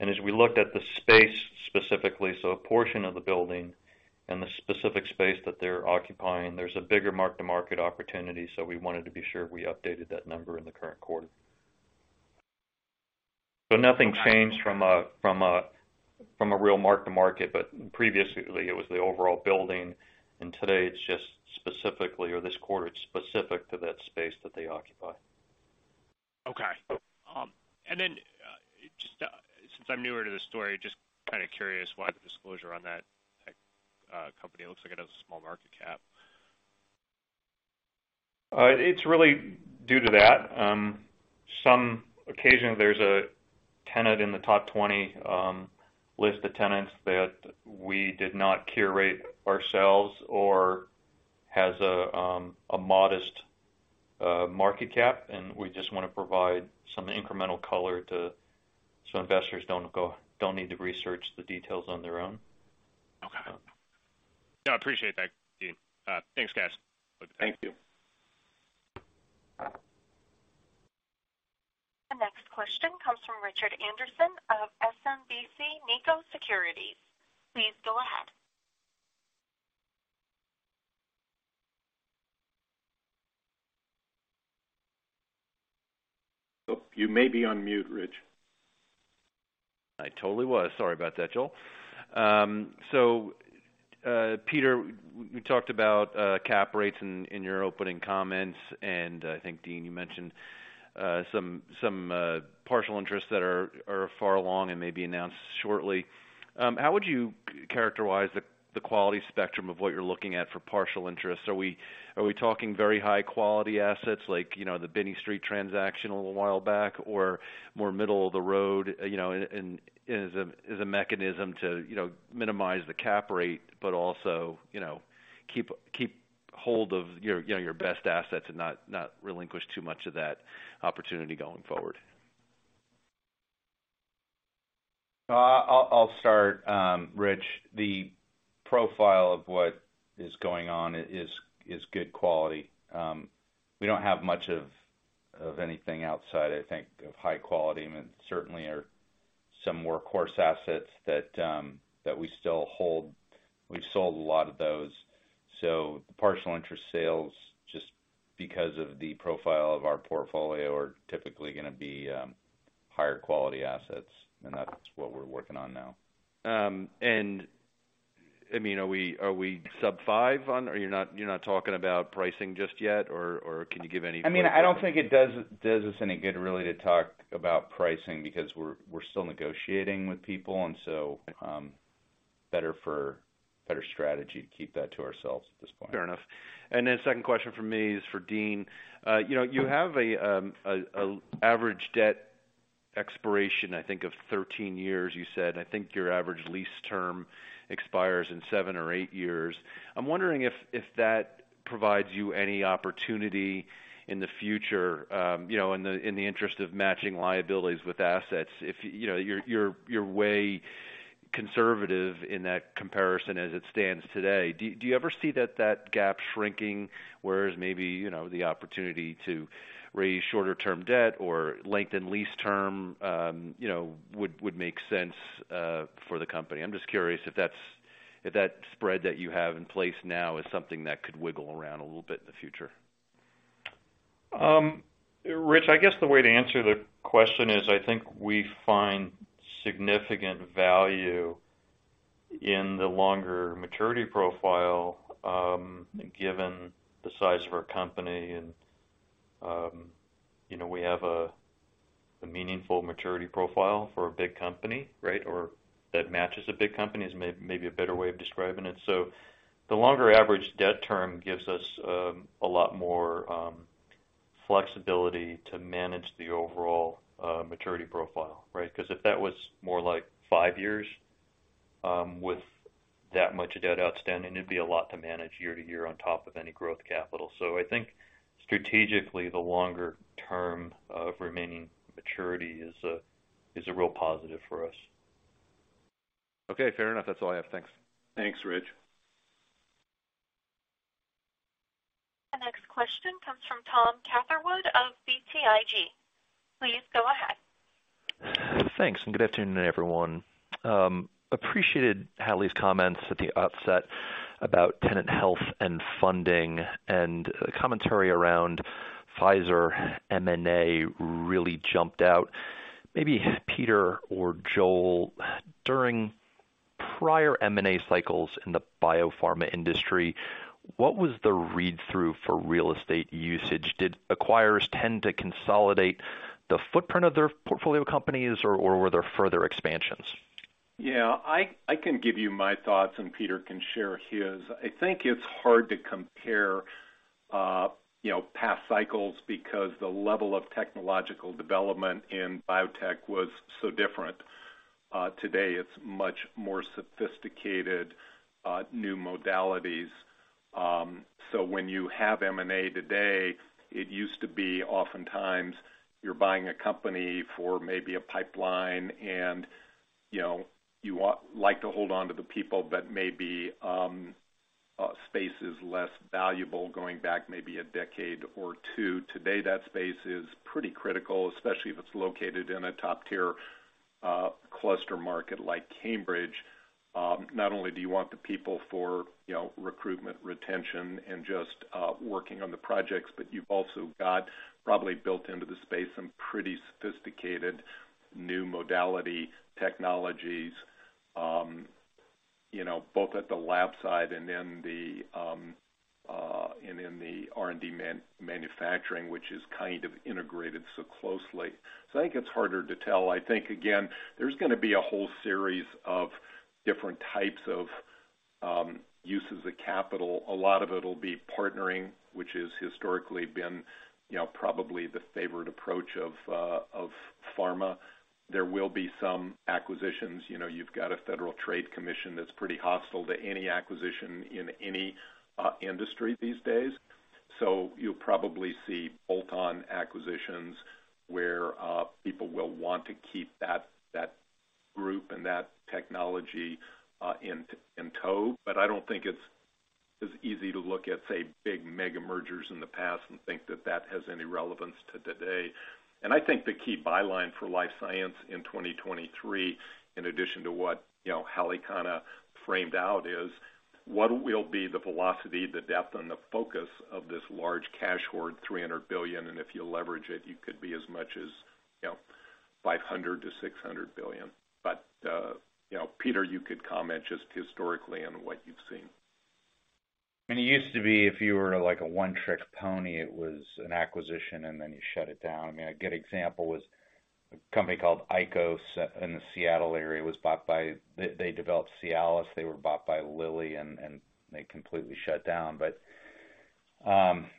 As we looked at the space specifically, so a portion of the building and the specific space that they're occupying, there's a bigger mark-to-market opportunity, so we wanted to be sure we updated that number in the current quarter. Nothing changed from a real mark to market, but previously it was the overall building, and today it's just specifically, or this quarter, it's specific to that space that they occupy. Okay. Just since I'm newer to the story, just kinda curious why the disclosure on that company. It looks like it has a small market cap. It's really due to that. Some occasionally there's a tenant in the top 20, list of tenants that we did not curate ourselves or has a modest, market cap, and we just wanna provide some incremental color to. Investors don't need to research the details on their own. Okay. Yeah, I appreciate that, Dean. Thanks, guys. Thank you. The next question comes from Richard Anderson of SMBC Nikko Securities. Please go ahead. Oh, you may be on mute, Rich. I totally was. Sorry about that, Joel. Peter, we talked about cap rates in your opening comments, and I think, Dean, you mentioned some partial interests that are far along and may be announced shortly. How would you characterize the quality spectrum of what you're looking at for partial interests? Are we talking very high-quality assets like, you know, the Binney Street transaction a little while back or more middle of the road, you know, and as a mechanism to, you know, minimize the cap rate, but also, you know, keep hold of your, you know, your best assets and not relinquish too much of that opportunity going forward? I'll start, Rich. The profile of what is going on is good quality. We don't have much of anything outside, I think of high quality. I mean, certainly are some workhorse assets that we still hold. We've sold a lot of those Partial interest sales, just because of the profile of our portfolio, are typically gonna be higher quality assets, and that's what we're working on now. I mean, are we sub five on or you're not talking about pricing just yet, or can you give? I mean, I don't think it does us any good really to talk about pricing because we're still negotiating with people and so, better for better strategy to keep that to ourselves at this point. Fair enough. Second question from me is for Dean. you know, you have a average debt expiration, I think, of 13 years, you said. I think your average lease term expires in seven or eight years. I'm wondering if that provides you any opportunity in the future, you know, in the interest of matching liabilities with assets. you know, you're way conservative in that comparison as it stands today. Do you ever see that gap shrinking, whereas maybe, you know, the opportunity to raise shorter term debt or lengthen lease term, you know, would make sense for the company? I'm just curious if that spread that you have in place now is something that could wiggle around a little bit in the future. Rich, I guess the way to answer the question is I think we find significant value in the longer maturity profile, given the size of our company. you know, we have a meaningful maturity profile for a big company, right? That matches a big company is maybe a better way of describing it. The longer average debt term gives us a lot more flexibility to manage the overall maturity profile, right? 'Cause if that was more like five years, with that much debt outstanding, it'd be a lot to manage year to year on top of any growth capital. I think strategically, the longer term of remaining maturity is a real positive for us. Okay. Fair enough. That's all I have. Thanks. Thanks, Rich. The next question comes from Thomas Catherwood of BTIG. Please go ahead. Thanks. Good afternoon, everyone. Appreciated Hallie's comments at the outset about tenant health and funding, and commentary around Pfizer M&A really jumped out. Maybe Peter or Joel, during prior M&A cycles in the biopharma industry, what was the read-through for real estate usage? Did acquirers tend to consolidate the footprint of their portfolio companies, or were there further expansions? Yeah. I can give you my thoughts, and Peter can share his. I think it's hard to compare, you know, past cycles because the level of technological development in biotech was so different. Today it's much more sophisticated, new modalities. When you have M&A today, it used to be oftentimes you're buying a company for maybe a pipeline and, you know, you like to hold on to the people, but maybe space is less valuable going back maybe a decade or two. Today, that space is pretty critical, especially if it's located in a top-tier cluster market like Cambridge. Not only do you want the people for, you know, recruitment, retention, and just working on the projects, but you've also got probably built into the space some pretty sophisticated new modality technologies, you know, both at the lab side and in the R&D manufacturing, which is kind of integrated so closely. I think it's harder to tell. I think, again, there's gonna be a whole series of different types of uses of capital. A lot of it'll be partnering, which has historically been, you know, probably the favorite approach of pharma. There will be some acquisitions. You know, you've got a Federal Trade Commission that's pretty hostile to any acquisition in any industry these days. You'll probably see bolt-on acquisitions where people will want to keep that group and that technology in tow. I don't think it's as easy to look at, say, big mega mergers in the past and think that that has any relevance to today. I think the key byline for life science in 2023, in addition to what, you know, Hallie kinda framed out, is what will be the velocity, the depth and the focus of this large cash hoard, $300 billion, and if you leverage it, you could be as much as, you know, $500 billion-$600 billion. You know, Peter, you could comment just historically on what you've seen. It used to be if you were like a one-trick pony, it was an acquisition and then you shut it down. I mean, a good example was a company called ICOS in the Seattle area was bought by. They, they developed Cialis, they were bought by Lilly and they completely shut down.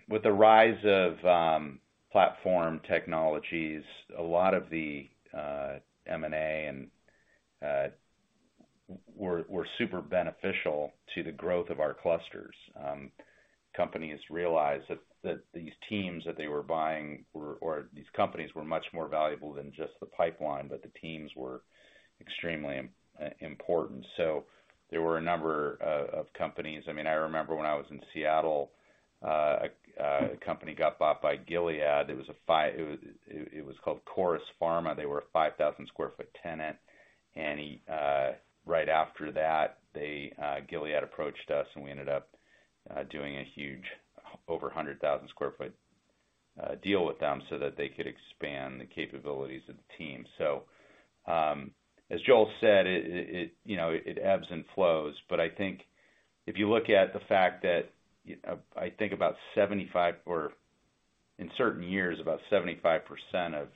With the rise of platform technologies, a lot of the M&A were super beneficial to the growth of our clusters. Companies realized that these teams that they were buying were, or these companies were much more valuable than just the pipeline, but the teams were extremely important. There were a number of companies. I mean, I remember when I was in Seattle, a company got bought by Gilead. It was called Corus Pharma. They were a 5,000 square foot tenant. He, right after that, Gilead approached us, and we ended up doing a huge over 100,000 square foot deal with them so that they could expand the capabilities of the team. As Joel said, you know, it ebbs and flows. I think if you look at the fact that I think about 75% or in certain years, about 75% of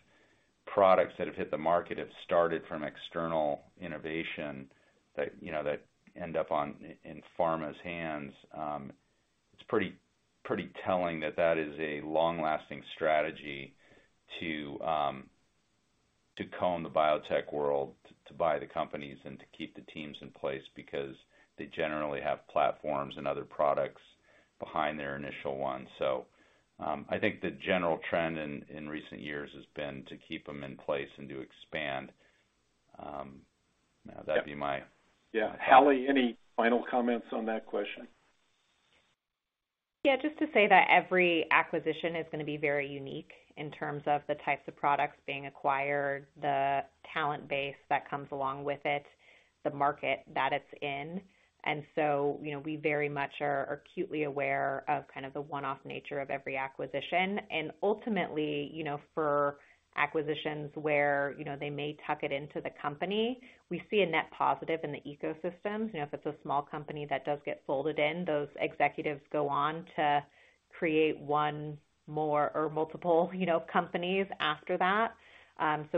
products that have hit the market have started from external innovation that, you know, that end up in pharma's hands, it's pretty telling that that is a long-lasting strategy to comb the biotech world, to buy the companies and to keep the teams in place because they generally have platforms and other products behind their initial ones. I think the general trend in recent years has been to keep them in place and to expand. you know. Hallie, any final comments on that question? Yeah, just to say that every acquisition is gonna be very unique in terms of the types of products being acquired, the talent base that comes along with it, the market that it's in. You know, we very much are acutely aware of kind of the one-off nature of every acquisition. You know, for acquisitions where, you know, they may tuck it into the company, we see a net positive in the ecosystems. You know, if it's a small company that does get folded in, those executives go on to create one more or multiple, you know, companies after that.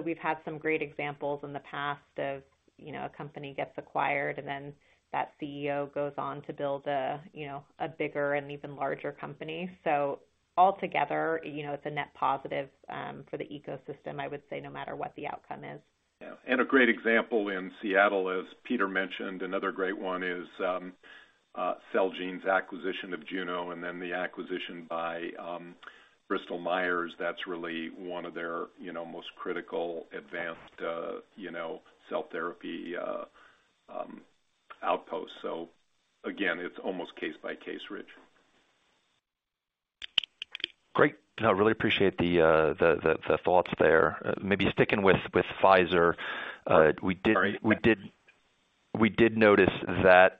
We've had some great examples in the past of, you know, a company gets acquired, and then that CEO goes on to build a, you know, a bigger and even larger company. Altogether, you know, it's a net positive for the ecosystem, I would say, no matter what the outcome is. Yeah. A great example in Seattle, as Peter mentioned, another great one is Celgene's acquisition of Juno and then the acquisition by Bristol Myers. That's really one of their, you know, most critical advanced, you know, cell therapy outposts. Again, it's almost case by case, Rich. Great. No, I really appreciate the thoughts there. Maybe sticking with Pfizer. Sorry. We did notice that,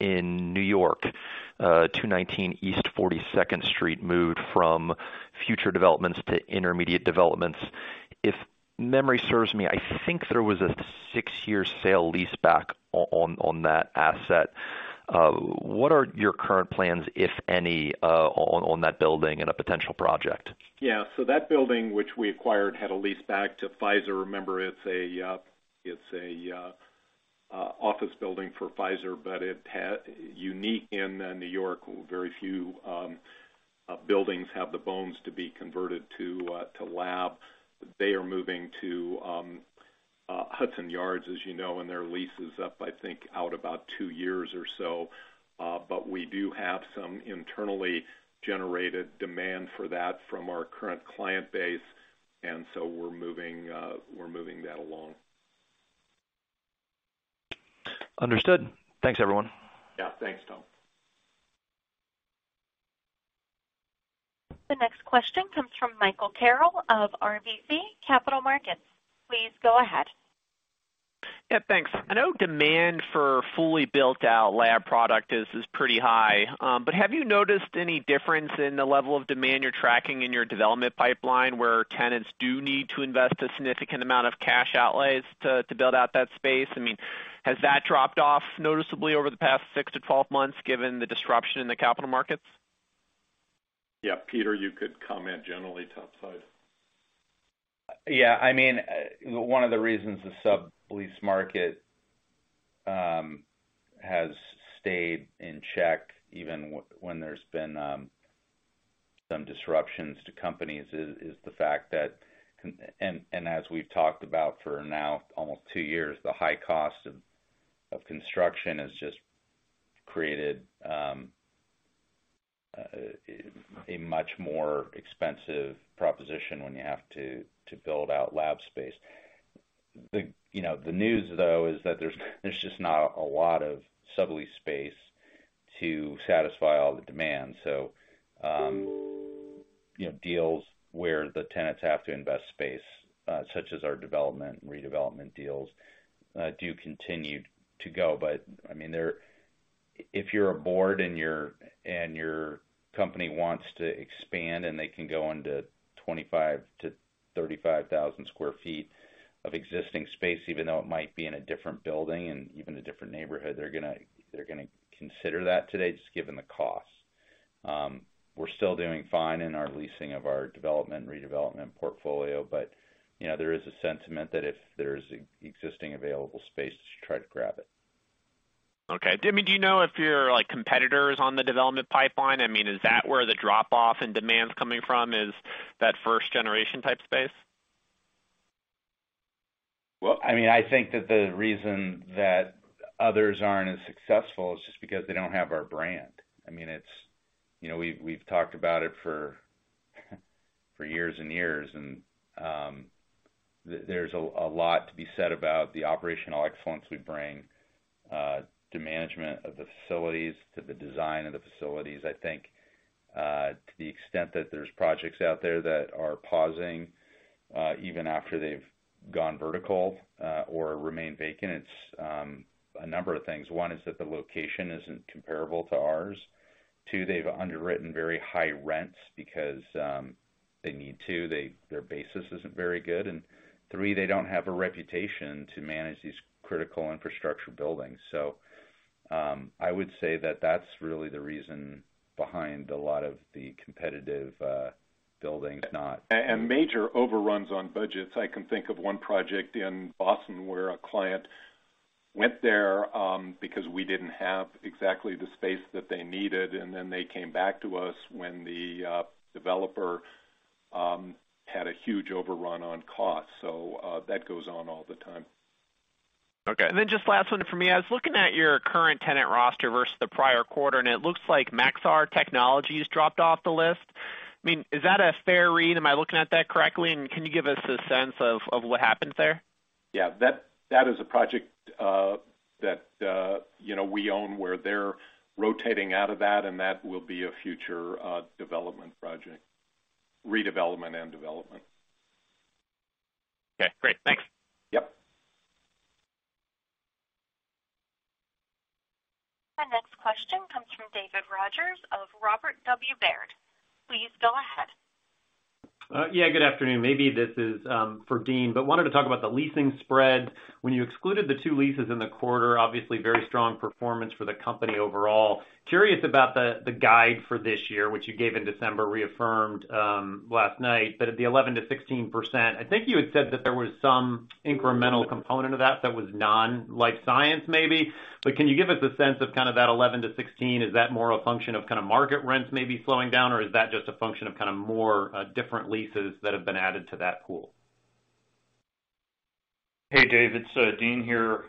in New York, 219 East 42nd Street moved from future developments to intermediate developments. If memory serves me, I think there was a six-year sale lease back on that asset. What are your current plans, if any, on that building and a potential project? Yeah. That building, which we acquired, had a lease back to Pfizer. Remember, it's a office building for Pfizer, but Unique in New York, very few buildings have the bones to be converted to lab. They are moving to Hudson Yards, as you know, and their lease is up, I think, out about two years or so. We do have some internally generated demand for that from our current client base, and so we're moving that along. Understood. Thanks, everyone. Yeah. Thanks, Tom. The next question comes from Michael Carroll of RBC Capital Markets. Please go ahead. Yeah, thanks. I know demand for fully built out lab product is pretty high, but have you noticed any difference in the level of demand you're tracking in your development pipeline, where tenants do need to invest a significant amount of cash outlays to build out that space? I mean, has that dropped off noticeably over the past six-12 months, given the disruption in the capital markets? Yeah. Peter, you could comment generally to that side. Yeah. I mean, one of the reasons the sublease market has stayed in check, even when there's been some disruptions to companies is the fact that as we've talked about for now almost two years, the high cost of construction has just created a much more expensive proposition when you have to build out lab space. You know, the news, though, is that there's just not a lot of sublease space to satisfy all the demand. You know, deals where the tenants have to invest space, such as our development and redevelopment deals, do continue to go. I mean, they're... If you're a board and your company wants to expand and they can go into 25,000-35,000 sq ft of existing space, even though it might be in a different building and even a different neighborhood, they're gonna consider that today just given the cost. We're still doing fine in our leasing of our development and redevelopment portfolio, but, you know, there is a sentiment that if there's existing available space, just try to grab it. Okay. Do you mean, do you know if your, like, competitor is on the development pipeline? I mean, is that where the drop-off in demand's coming from, is that first generation type space? Well, I mean, I think that the reason that others aren't as successful is just because they don't have our brand. I mean, it's, you know, we've talked about it for years and years. There's a lot to be said about the operational excellence we bring to management of the facilities, to the design of the facilities. I think, to the extent that there's projects out there that are pausing, even after they've gone vertical, or remain vacant, it's a number of things. One is that the location isn't comparable to ours. Two, they've underwritten very high rents because they need to, their basis isn't very good. Three, they don't have a reputation to manage these critical infrastructure buildings. I would say that that's really the reason behind a lot of the competitive buildings not- Major overruns on budgets. I can think of one project in Boston where a client went there, because we didn't have exactly the space that they needed, and then they came back to us when the developer had a huge overrun on cost. That goes on all the time. Okay. Just last one for me. I was looking at your current tenant roster versus the prior quarter, and it looks like Maxar Technologies dropped off the list. I mean, is that a fair read? Am I looking at that correctly? Can you give us a sense of what happened there? Yeah, that is a project that, you know, we own, where they're rotating out of that. That will be a future development project, redevelopment and development. Okay, great. Thanks. Yep. The next question comes from David Rodgers of Robert W. Baird. Please go ahead. Yeah, good afternoon. Maybe this is for Dean, wanted to talk about the leasing spread. When you excluded the two leases in the quarter, obviously very strong performance for the company overall. Curious about the guide for this year, which you gave in December, reaffirmed last night, at the 11%-16%, I think you had said that there was some incremental component of that that was non-life science, maybe. Can you give us a sense of kind of that 11%-16%? Is that more a function of kind of market rents maybe slowing down, or is that just a function of kind of more different leases that have been added to that pool? Hey, David. Dean here.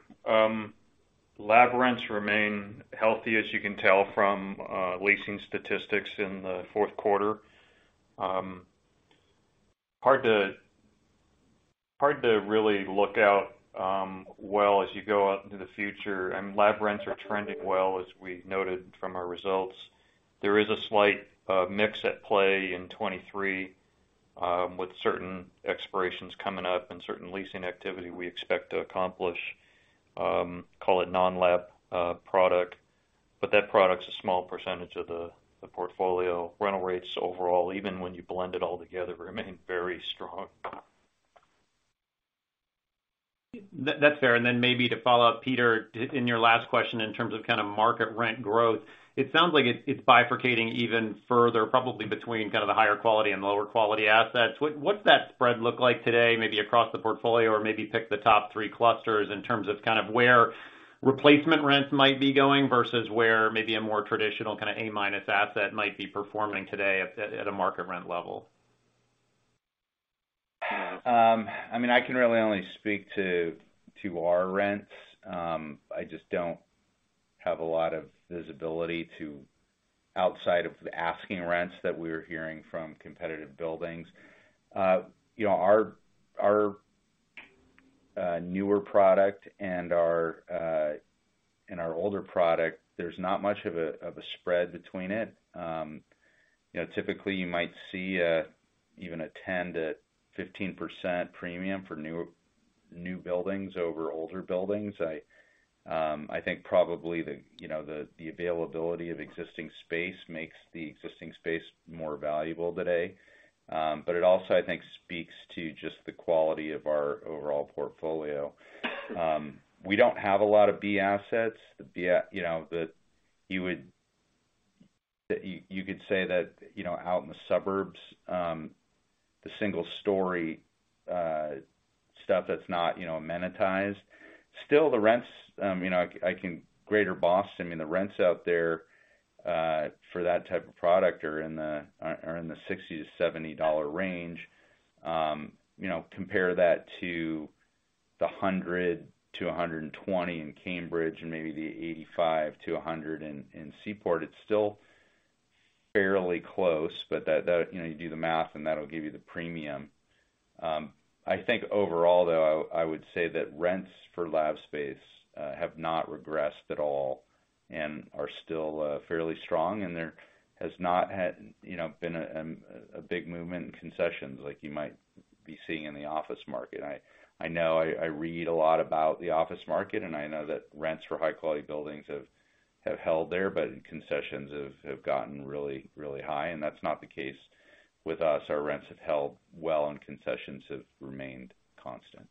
Lab rents remain healthy, as you can tell from leasing statistics in the fourth quarter. hard to really look out well as you go out into the future. Lab rents are trending well, as we noted from our results. There is a slight mix at play in 23 with certain expirations coming up and certain leasing activity we expect to accomplish, call it non-lab product. That product's a small percentage of the portfolio. Rental rates overall, even when you blend it all together, remain very strong. That's fair. Then maybe to follow up, Peter, in your last question, in terms of kind of market rent growth, it sounds like it's bifurcating even further, probably between kind of the higher quality and lower quality assets. What's that spread look like today, maybe across the portfolio or maybe pick the top three clusters in terms of kind of where replacement rents might be going versus where maybe a more traditional kind of A-minus asset might be performing today at a market rent level? I mean, I can really only speak to our rents. I just don't have a lot of visibility to outside of the asking rents that we're hearing from competitive buildings. You know, our newer product and our older product, there's not much of a spread between it. You know, typically you might see even a 10%-15% premium for new buildings over older buildings. I think probably the, you know, the availability of existing space makes the existing space more valuable today. It also, I think, speaks to just the quality of our overall portfolio. We don't have a lot of B assets. You know, that you could say that, you know, out in the suburbs, the single story, stuff that's not, you know, amenitized. Still, the rents, you know, Greater Boston, I mean, the rents out there, for that type of product are in the, are in the $60-$70 range. You know, compare that to the $100-$120 in Cambridge and maybe the $85-$100 in Seaport. It's still fairly close, but that, you know, you do the math and that'll give you the premium. I think overall, though, I would say that rents for lab space have not regressed at all and are still fairly strong, and there has not had, you know, been a big movement in concessions like you might be seeing in the office market. I know I read a lot about the office market, and I know that rents for high-quality buildings have held there, but concessions have gotten really, really high, and that's not the case with us. Our rents have held well, and concessions have remained constant.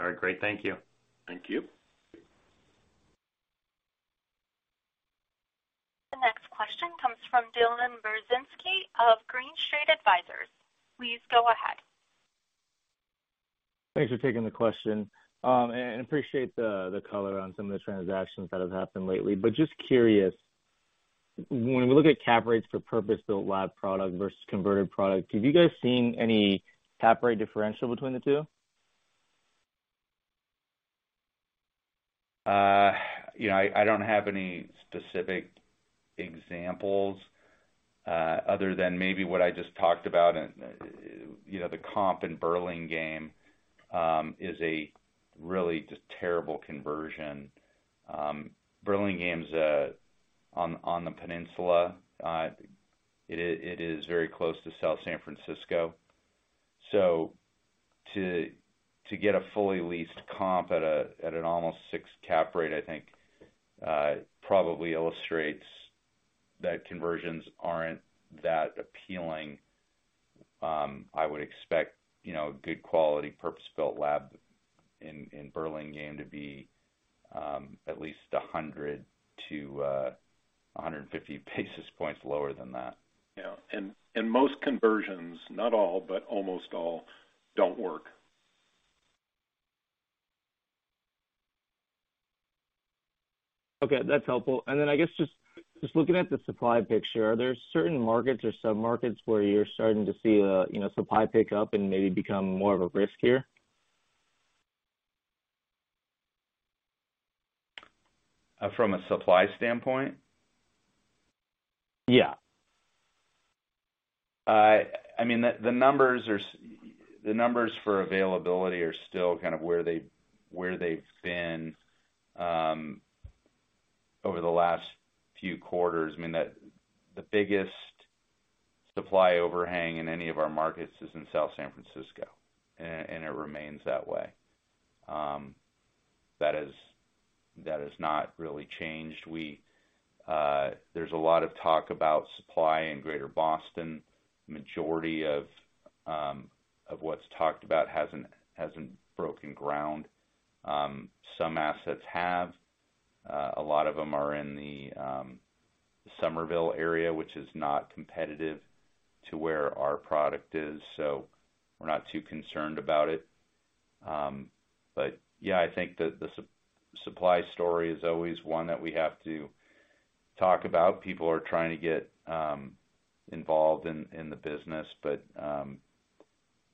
All right. Great. Thank you. Thank you. The next question comes from Dylan Burzinski of Green Street Advisors. Please go ahead. Thanks for taking the question. Appreciate the color on some of the transactions that have happened lately. Just curious, when we look at cap rates for purpose-built lab product versus converted product, have you guys seen any cap rate differential between the two? You know, I don't have any specific examples, other than maybe what I just talked about and you know, the comp in Burlingame is a really just terrible conversion. Burlingame's on the peninsula. It is very close to South San Francisco. To get a fully leased comp at an almost 6 cap rate, I think, it probably illustrates that conversions aren't that appealing. I would expect, you know, good quality purpose-built lab in Burlingame to be at least 100-150 basis points lower than that. Yeah. And most conversions, not all, but almost all don't work. Okay, that's helpful. I guess just looking at the supply picture, are there certain markets or submarkets where you're starting to see, you know, supply pick up and maybe become more of a risk here? From a supply standpoint? Yeah. I mean, the numbers for availability are still kind of where they've been over the last few quarters. I mean, the biggest supply overhang in any of our markets is in South San Francisco, and it remains that way. That has not really changed. There's a lot of talk about supply in Greater Boston. Majority of what's talked about hasn't broken ground. Some assets have. A lot of them are in the Somerville area, which is not competitive to where our product is, so we're not too concerned about it. But yeah, I think the supply story is always one that we have to talk about. People are trying to get involved in the business, but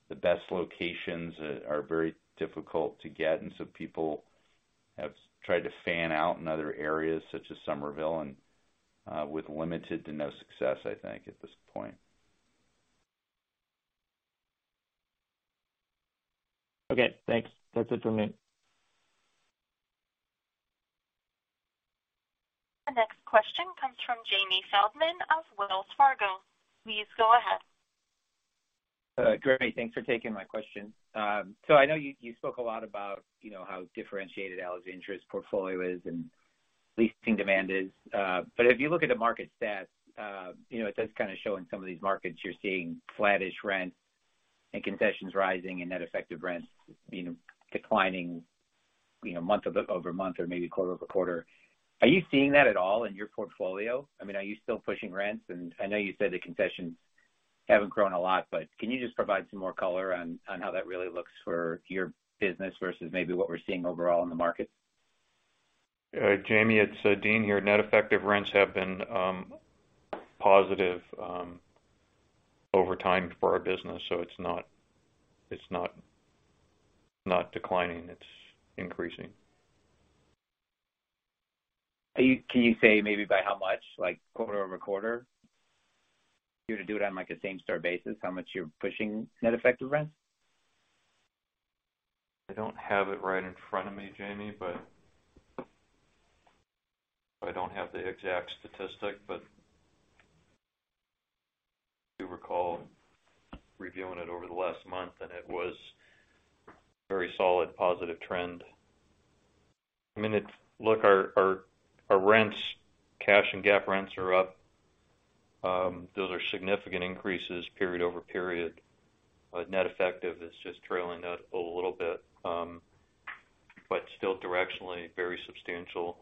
the best locations are very difficult to get, and so people have tried to fan out in other areas such as Somerville and, with limited to no success, I think, at this point. Okay, thanks. That's it from me. The next question comes from Jamie Feldman of Wells Fargo. Please go ahead. Great. Thanks for taking my question. I know you spoke a lot about how differentiated Alexandria's portfolio is and leasing demand is. If you look at the market stats, it does kind of show in some of these markets you're seeing flattish rent and concessions rising and net effective rents declining month-over-month or maybe quarter-over-quarter. Are you seeing that at all in your portfolio? Are you still pushing rents? I know you said the concessions haven't grown a lot, but can you just provide some more color on how that really looks for your business versus maybe what we're seeing overall in the market? Jamie, it's Dean here. Net effective rents have been positive over time for our business, so it's not declining. It's increasing. Can you say maybe by how much, like quarter-over-quarter, if you were to do it on, like, a same-store basis, how much you're pushing net effective rents? I don't have it right in front of me, Jamie Feldman. I don't have the exact statistic, but I do recall reviewing it over the last month, and it was very solid positive trend. I mean, Look, our rents, cash and GAAP rents are up. Those are significant increases period-over-period. Net effective is just trailing that a little bit, but still directionally very substantial,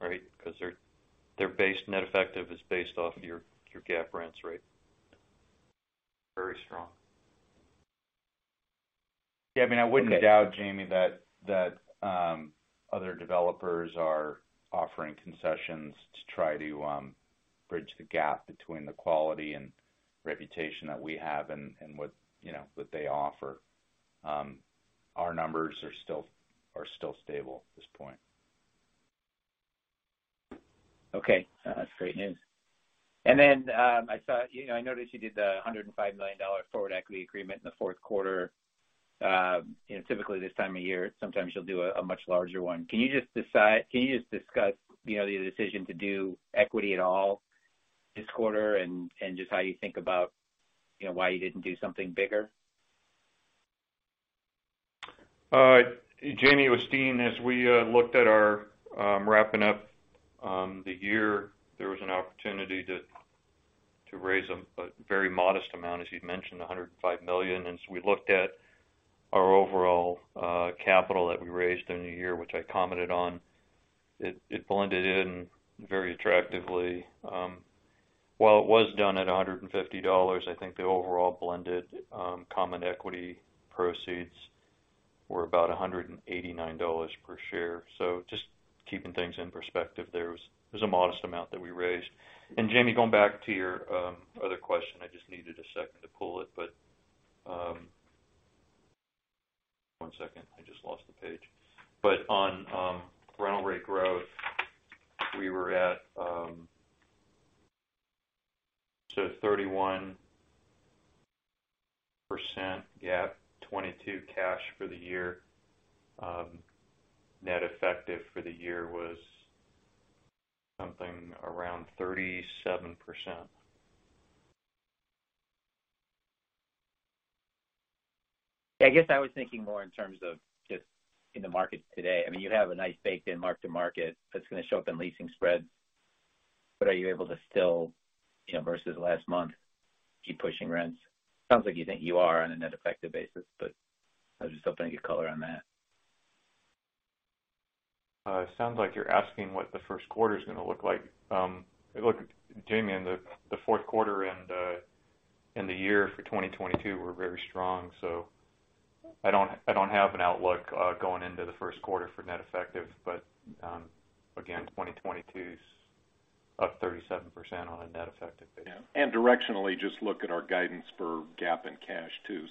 right? 'Cause Net effective is based off your GAAP rents rate. Very strong. Yeah. I mean, I wouldn't doubt, Jamie, that other developers are offering concessions to try to bridge the gap between the quality and reputation that we have and what, you know, what they offer. Our numbers are still stable at this point. That's great news. I saw, you know, I noticed you did the $105 million forward equity agreement in the fourth quarter. You know, typically this time of year, sometimes you'll do a much larger one. Can you just discuss, you know, the decision to do equity at all this quarter and just how you think about, you know, why you didn't do something bigger? Jamie, it was Dean. As we looked at our wrapping up the year, there was an opportunity to raise a very modest amount, as you'd mentioned, $105 million. We looked at our overall capital that we raised during the year, which I commented on. It blended in very attractively. While it was done at $150, I think the overall blended common equity proceeds were about $189 per share. Just keeping things in perspective there, it was a modest amount that we raised. Jamie, going back to your other question. I just needed a second to pull it. One second, I just lost the page. On rental rate growth, we were at... 31% GAAP, 22% cash for the year. Net effective for the year was something around 37%. Yeah, I guess I was thinking more in terms of just in the market today. I mean, you have a nice baked-in mark-to-market that's gonna show up in leasing spreads. Are you able to still, you know, versus last month, keep pushing rents? Sounds like you think you are on a net effective basis, but I was just hoping to get color on that. It sounds like you're asking what the first quarter's going to look like. Look, Jamie, in the fourth quarter and in the year for 2022, we're very strong. I don't have an outlook going into the first quarter for net effective. Again, 2022's up 37% on a net effective basis. Yeah, directionally, just look at our guidance for GAAP and cash too.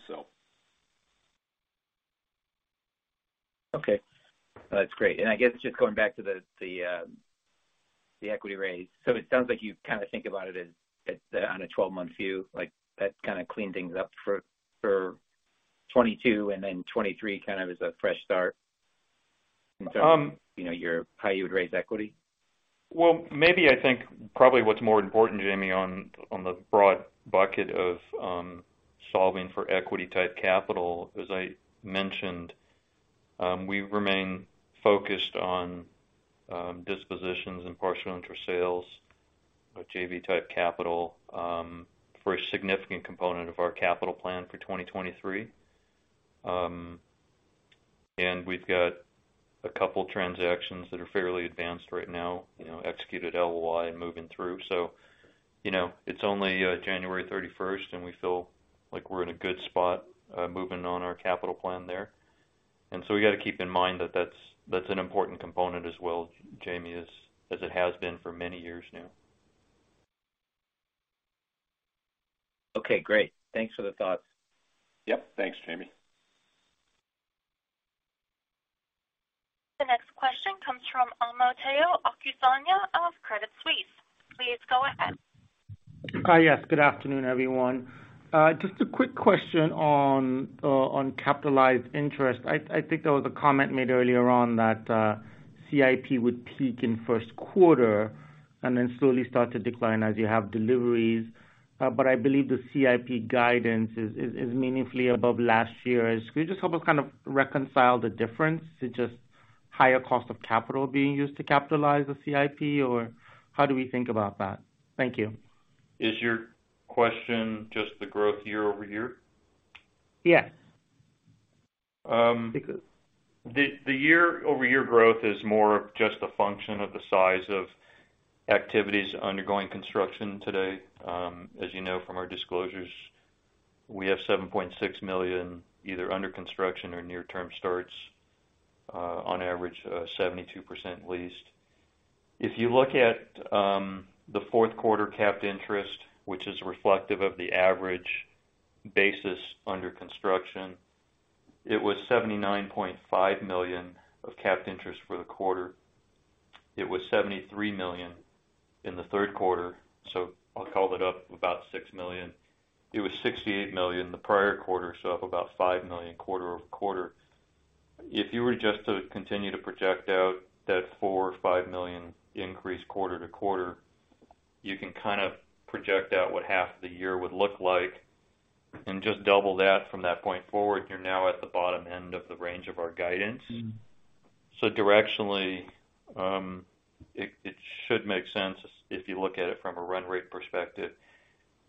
Okay, that's great. I guess just going back to the equity raise. It sounds like you kind of think about it as on a 12-month view, like that kind of cleaned things up for 2022 and then 2023 kind of is a fresh start... Um- In terms of, you know, how you would raise equity. Well, maybe I think probably what's more important, Jamie, on the broad bucket of solving for equity-type capital, as I mentioned, we remain focused on dispositions and partial interest sales of JV-type capital for a significant component of our capital plan for 2023. We've got a couple transactions that are fairly advanced right now, you know, executed LOI and moving through. You know, it's only January 31st, and we feel like we're in a good spot moving on our capital plan there. We gotta keep in mind that that's an important component as well, Jamie, as it has been for many years now. Okay, great. Thanks for the thoughts. Yep. Thanks, Jamie. The next question comes from Omotayo Okusanya of Credit Suisse. Please go ahead. Hi, yes. Good afternoon, everyone. Just a quick question on capitalized interest. I think there was a comment made earlier on that CIP would peak in first quarter and then slowly start to decline as you have deliveries. I believe the CIP guidance is meaningfully above last year. Could you just help us kind of reconcile the difference? Is it just higher cost of capital being used to capitalize the CIP, or how do we think about that? Thank you. Is your question just the growth year-over-year? Yes. Um- Because- The year-over-year growth is more of just a function of the size of activities undergoing construction today. As you know from our disclosures, we have $7.6 million either under construction or near-term starts, on average, 72% leased. If you look at the fourth quarter capped interest, which is reflective of the average basis under construction, it was $79.5 million of capped interest for the quarter. It was $73 million in the third quarter, so I'll call that up about $6 million. It was $68 million the prior quarter, so up about $5 million quarter-over-quarter. If you were just to continue to project out that $4 million or $5 million increase quarter-to-quarter, you can kind of project out what half the year would look like and just double that from that point forward, you're now at the bottom end of the range of our guidance. Mm-hmm. Directionally, it should make sense if you look at it from a run rate perspective.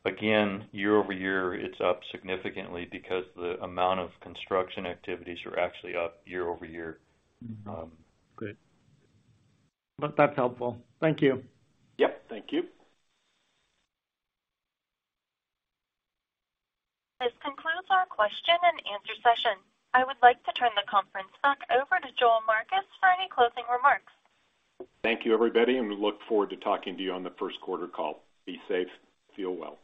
Again, year-over-year, it's up significantly because the amount of construction activities are actually up year-over-year. Mm-hmm. Good. Well, that's helpful. Thank you. Yep, thank you. This concludes our question and answer session. I would like to turn the conference back over to Joel Marcus for any closing remarks. Thank you, everybody, and we look forward to talking to you on the first quarter call. Be safe. Feel well.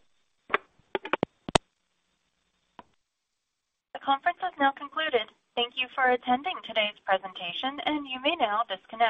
The conference has now concluded. Thank you for attending today's presentation. You may now disconnect.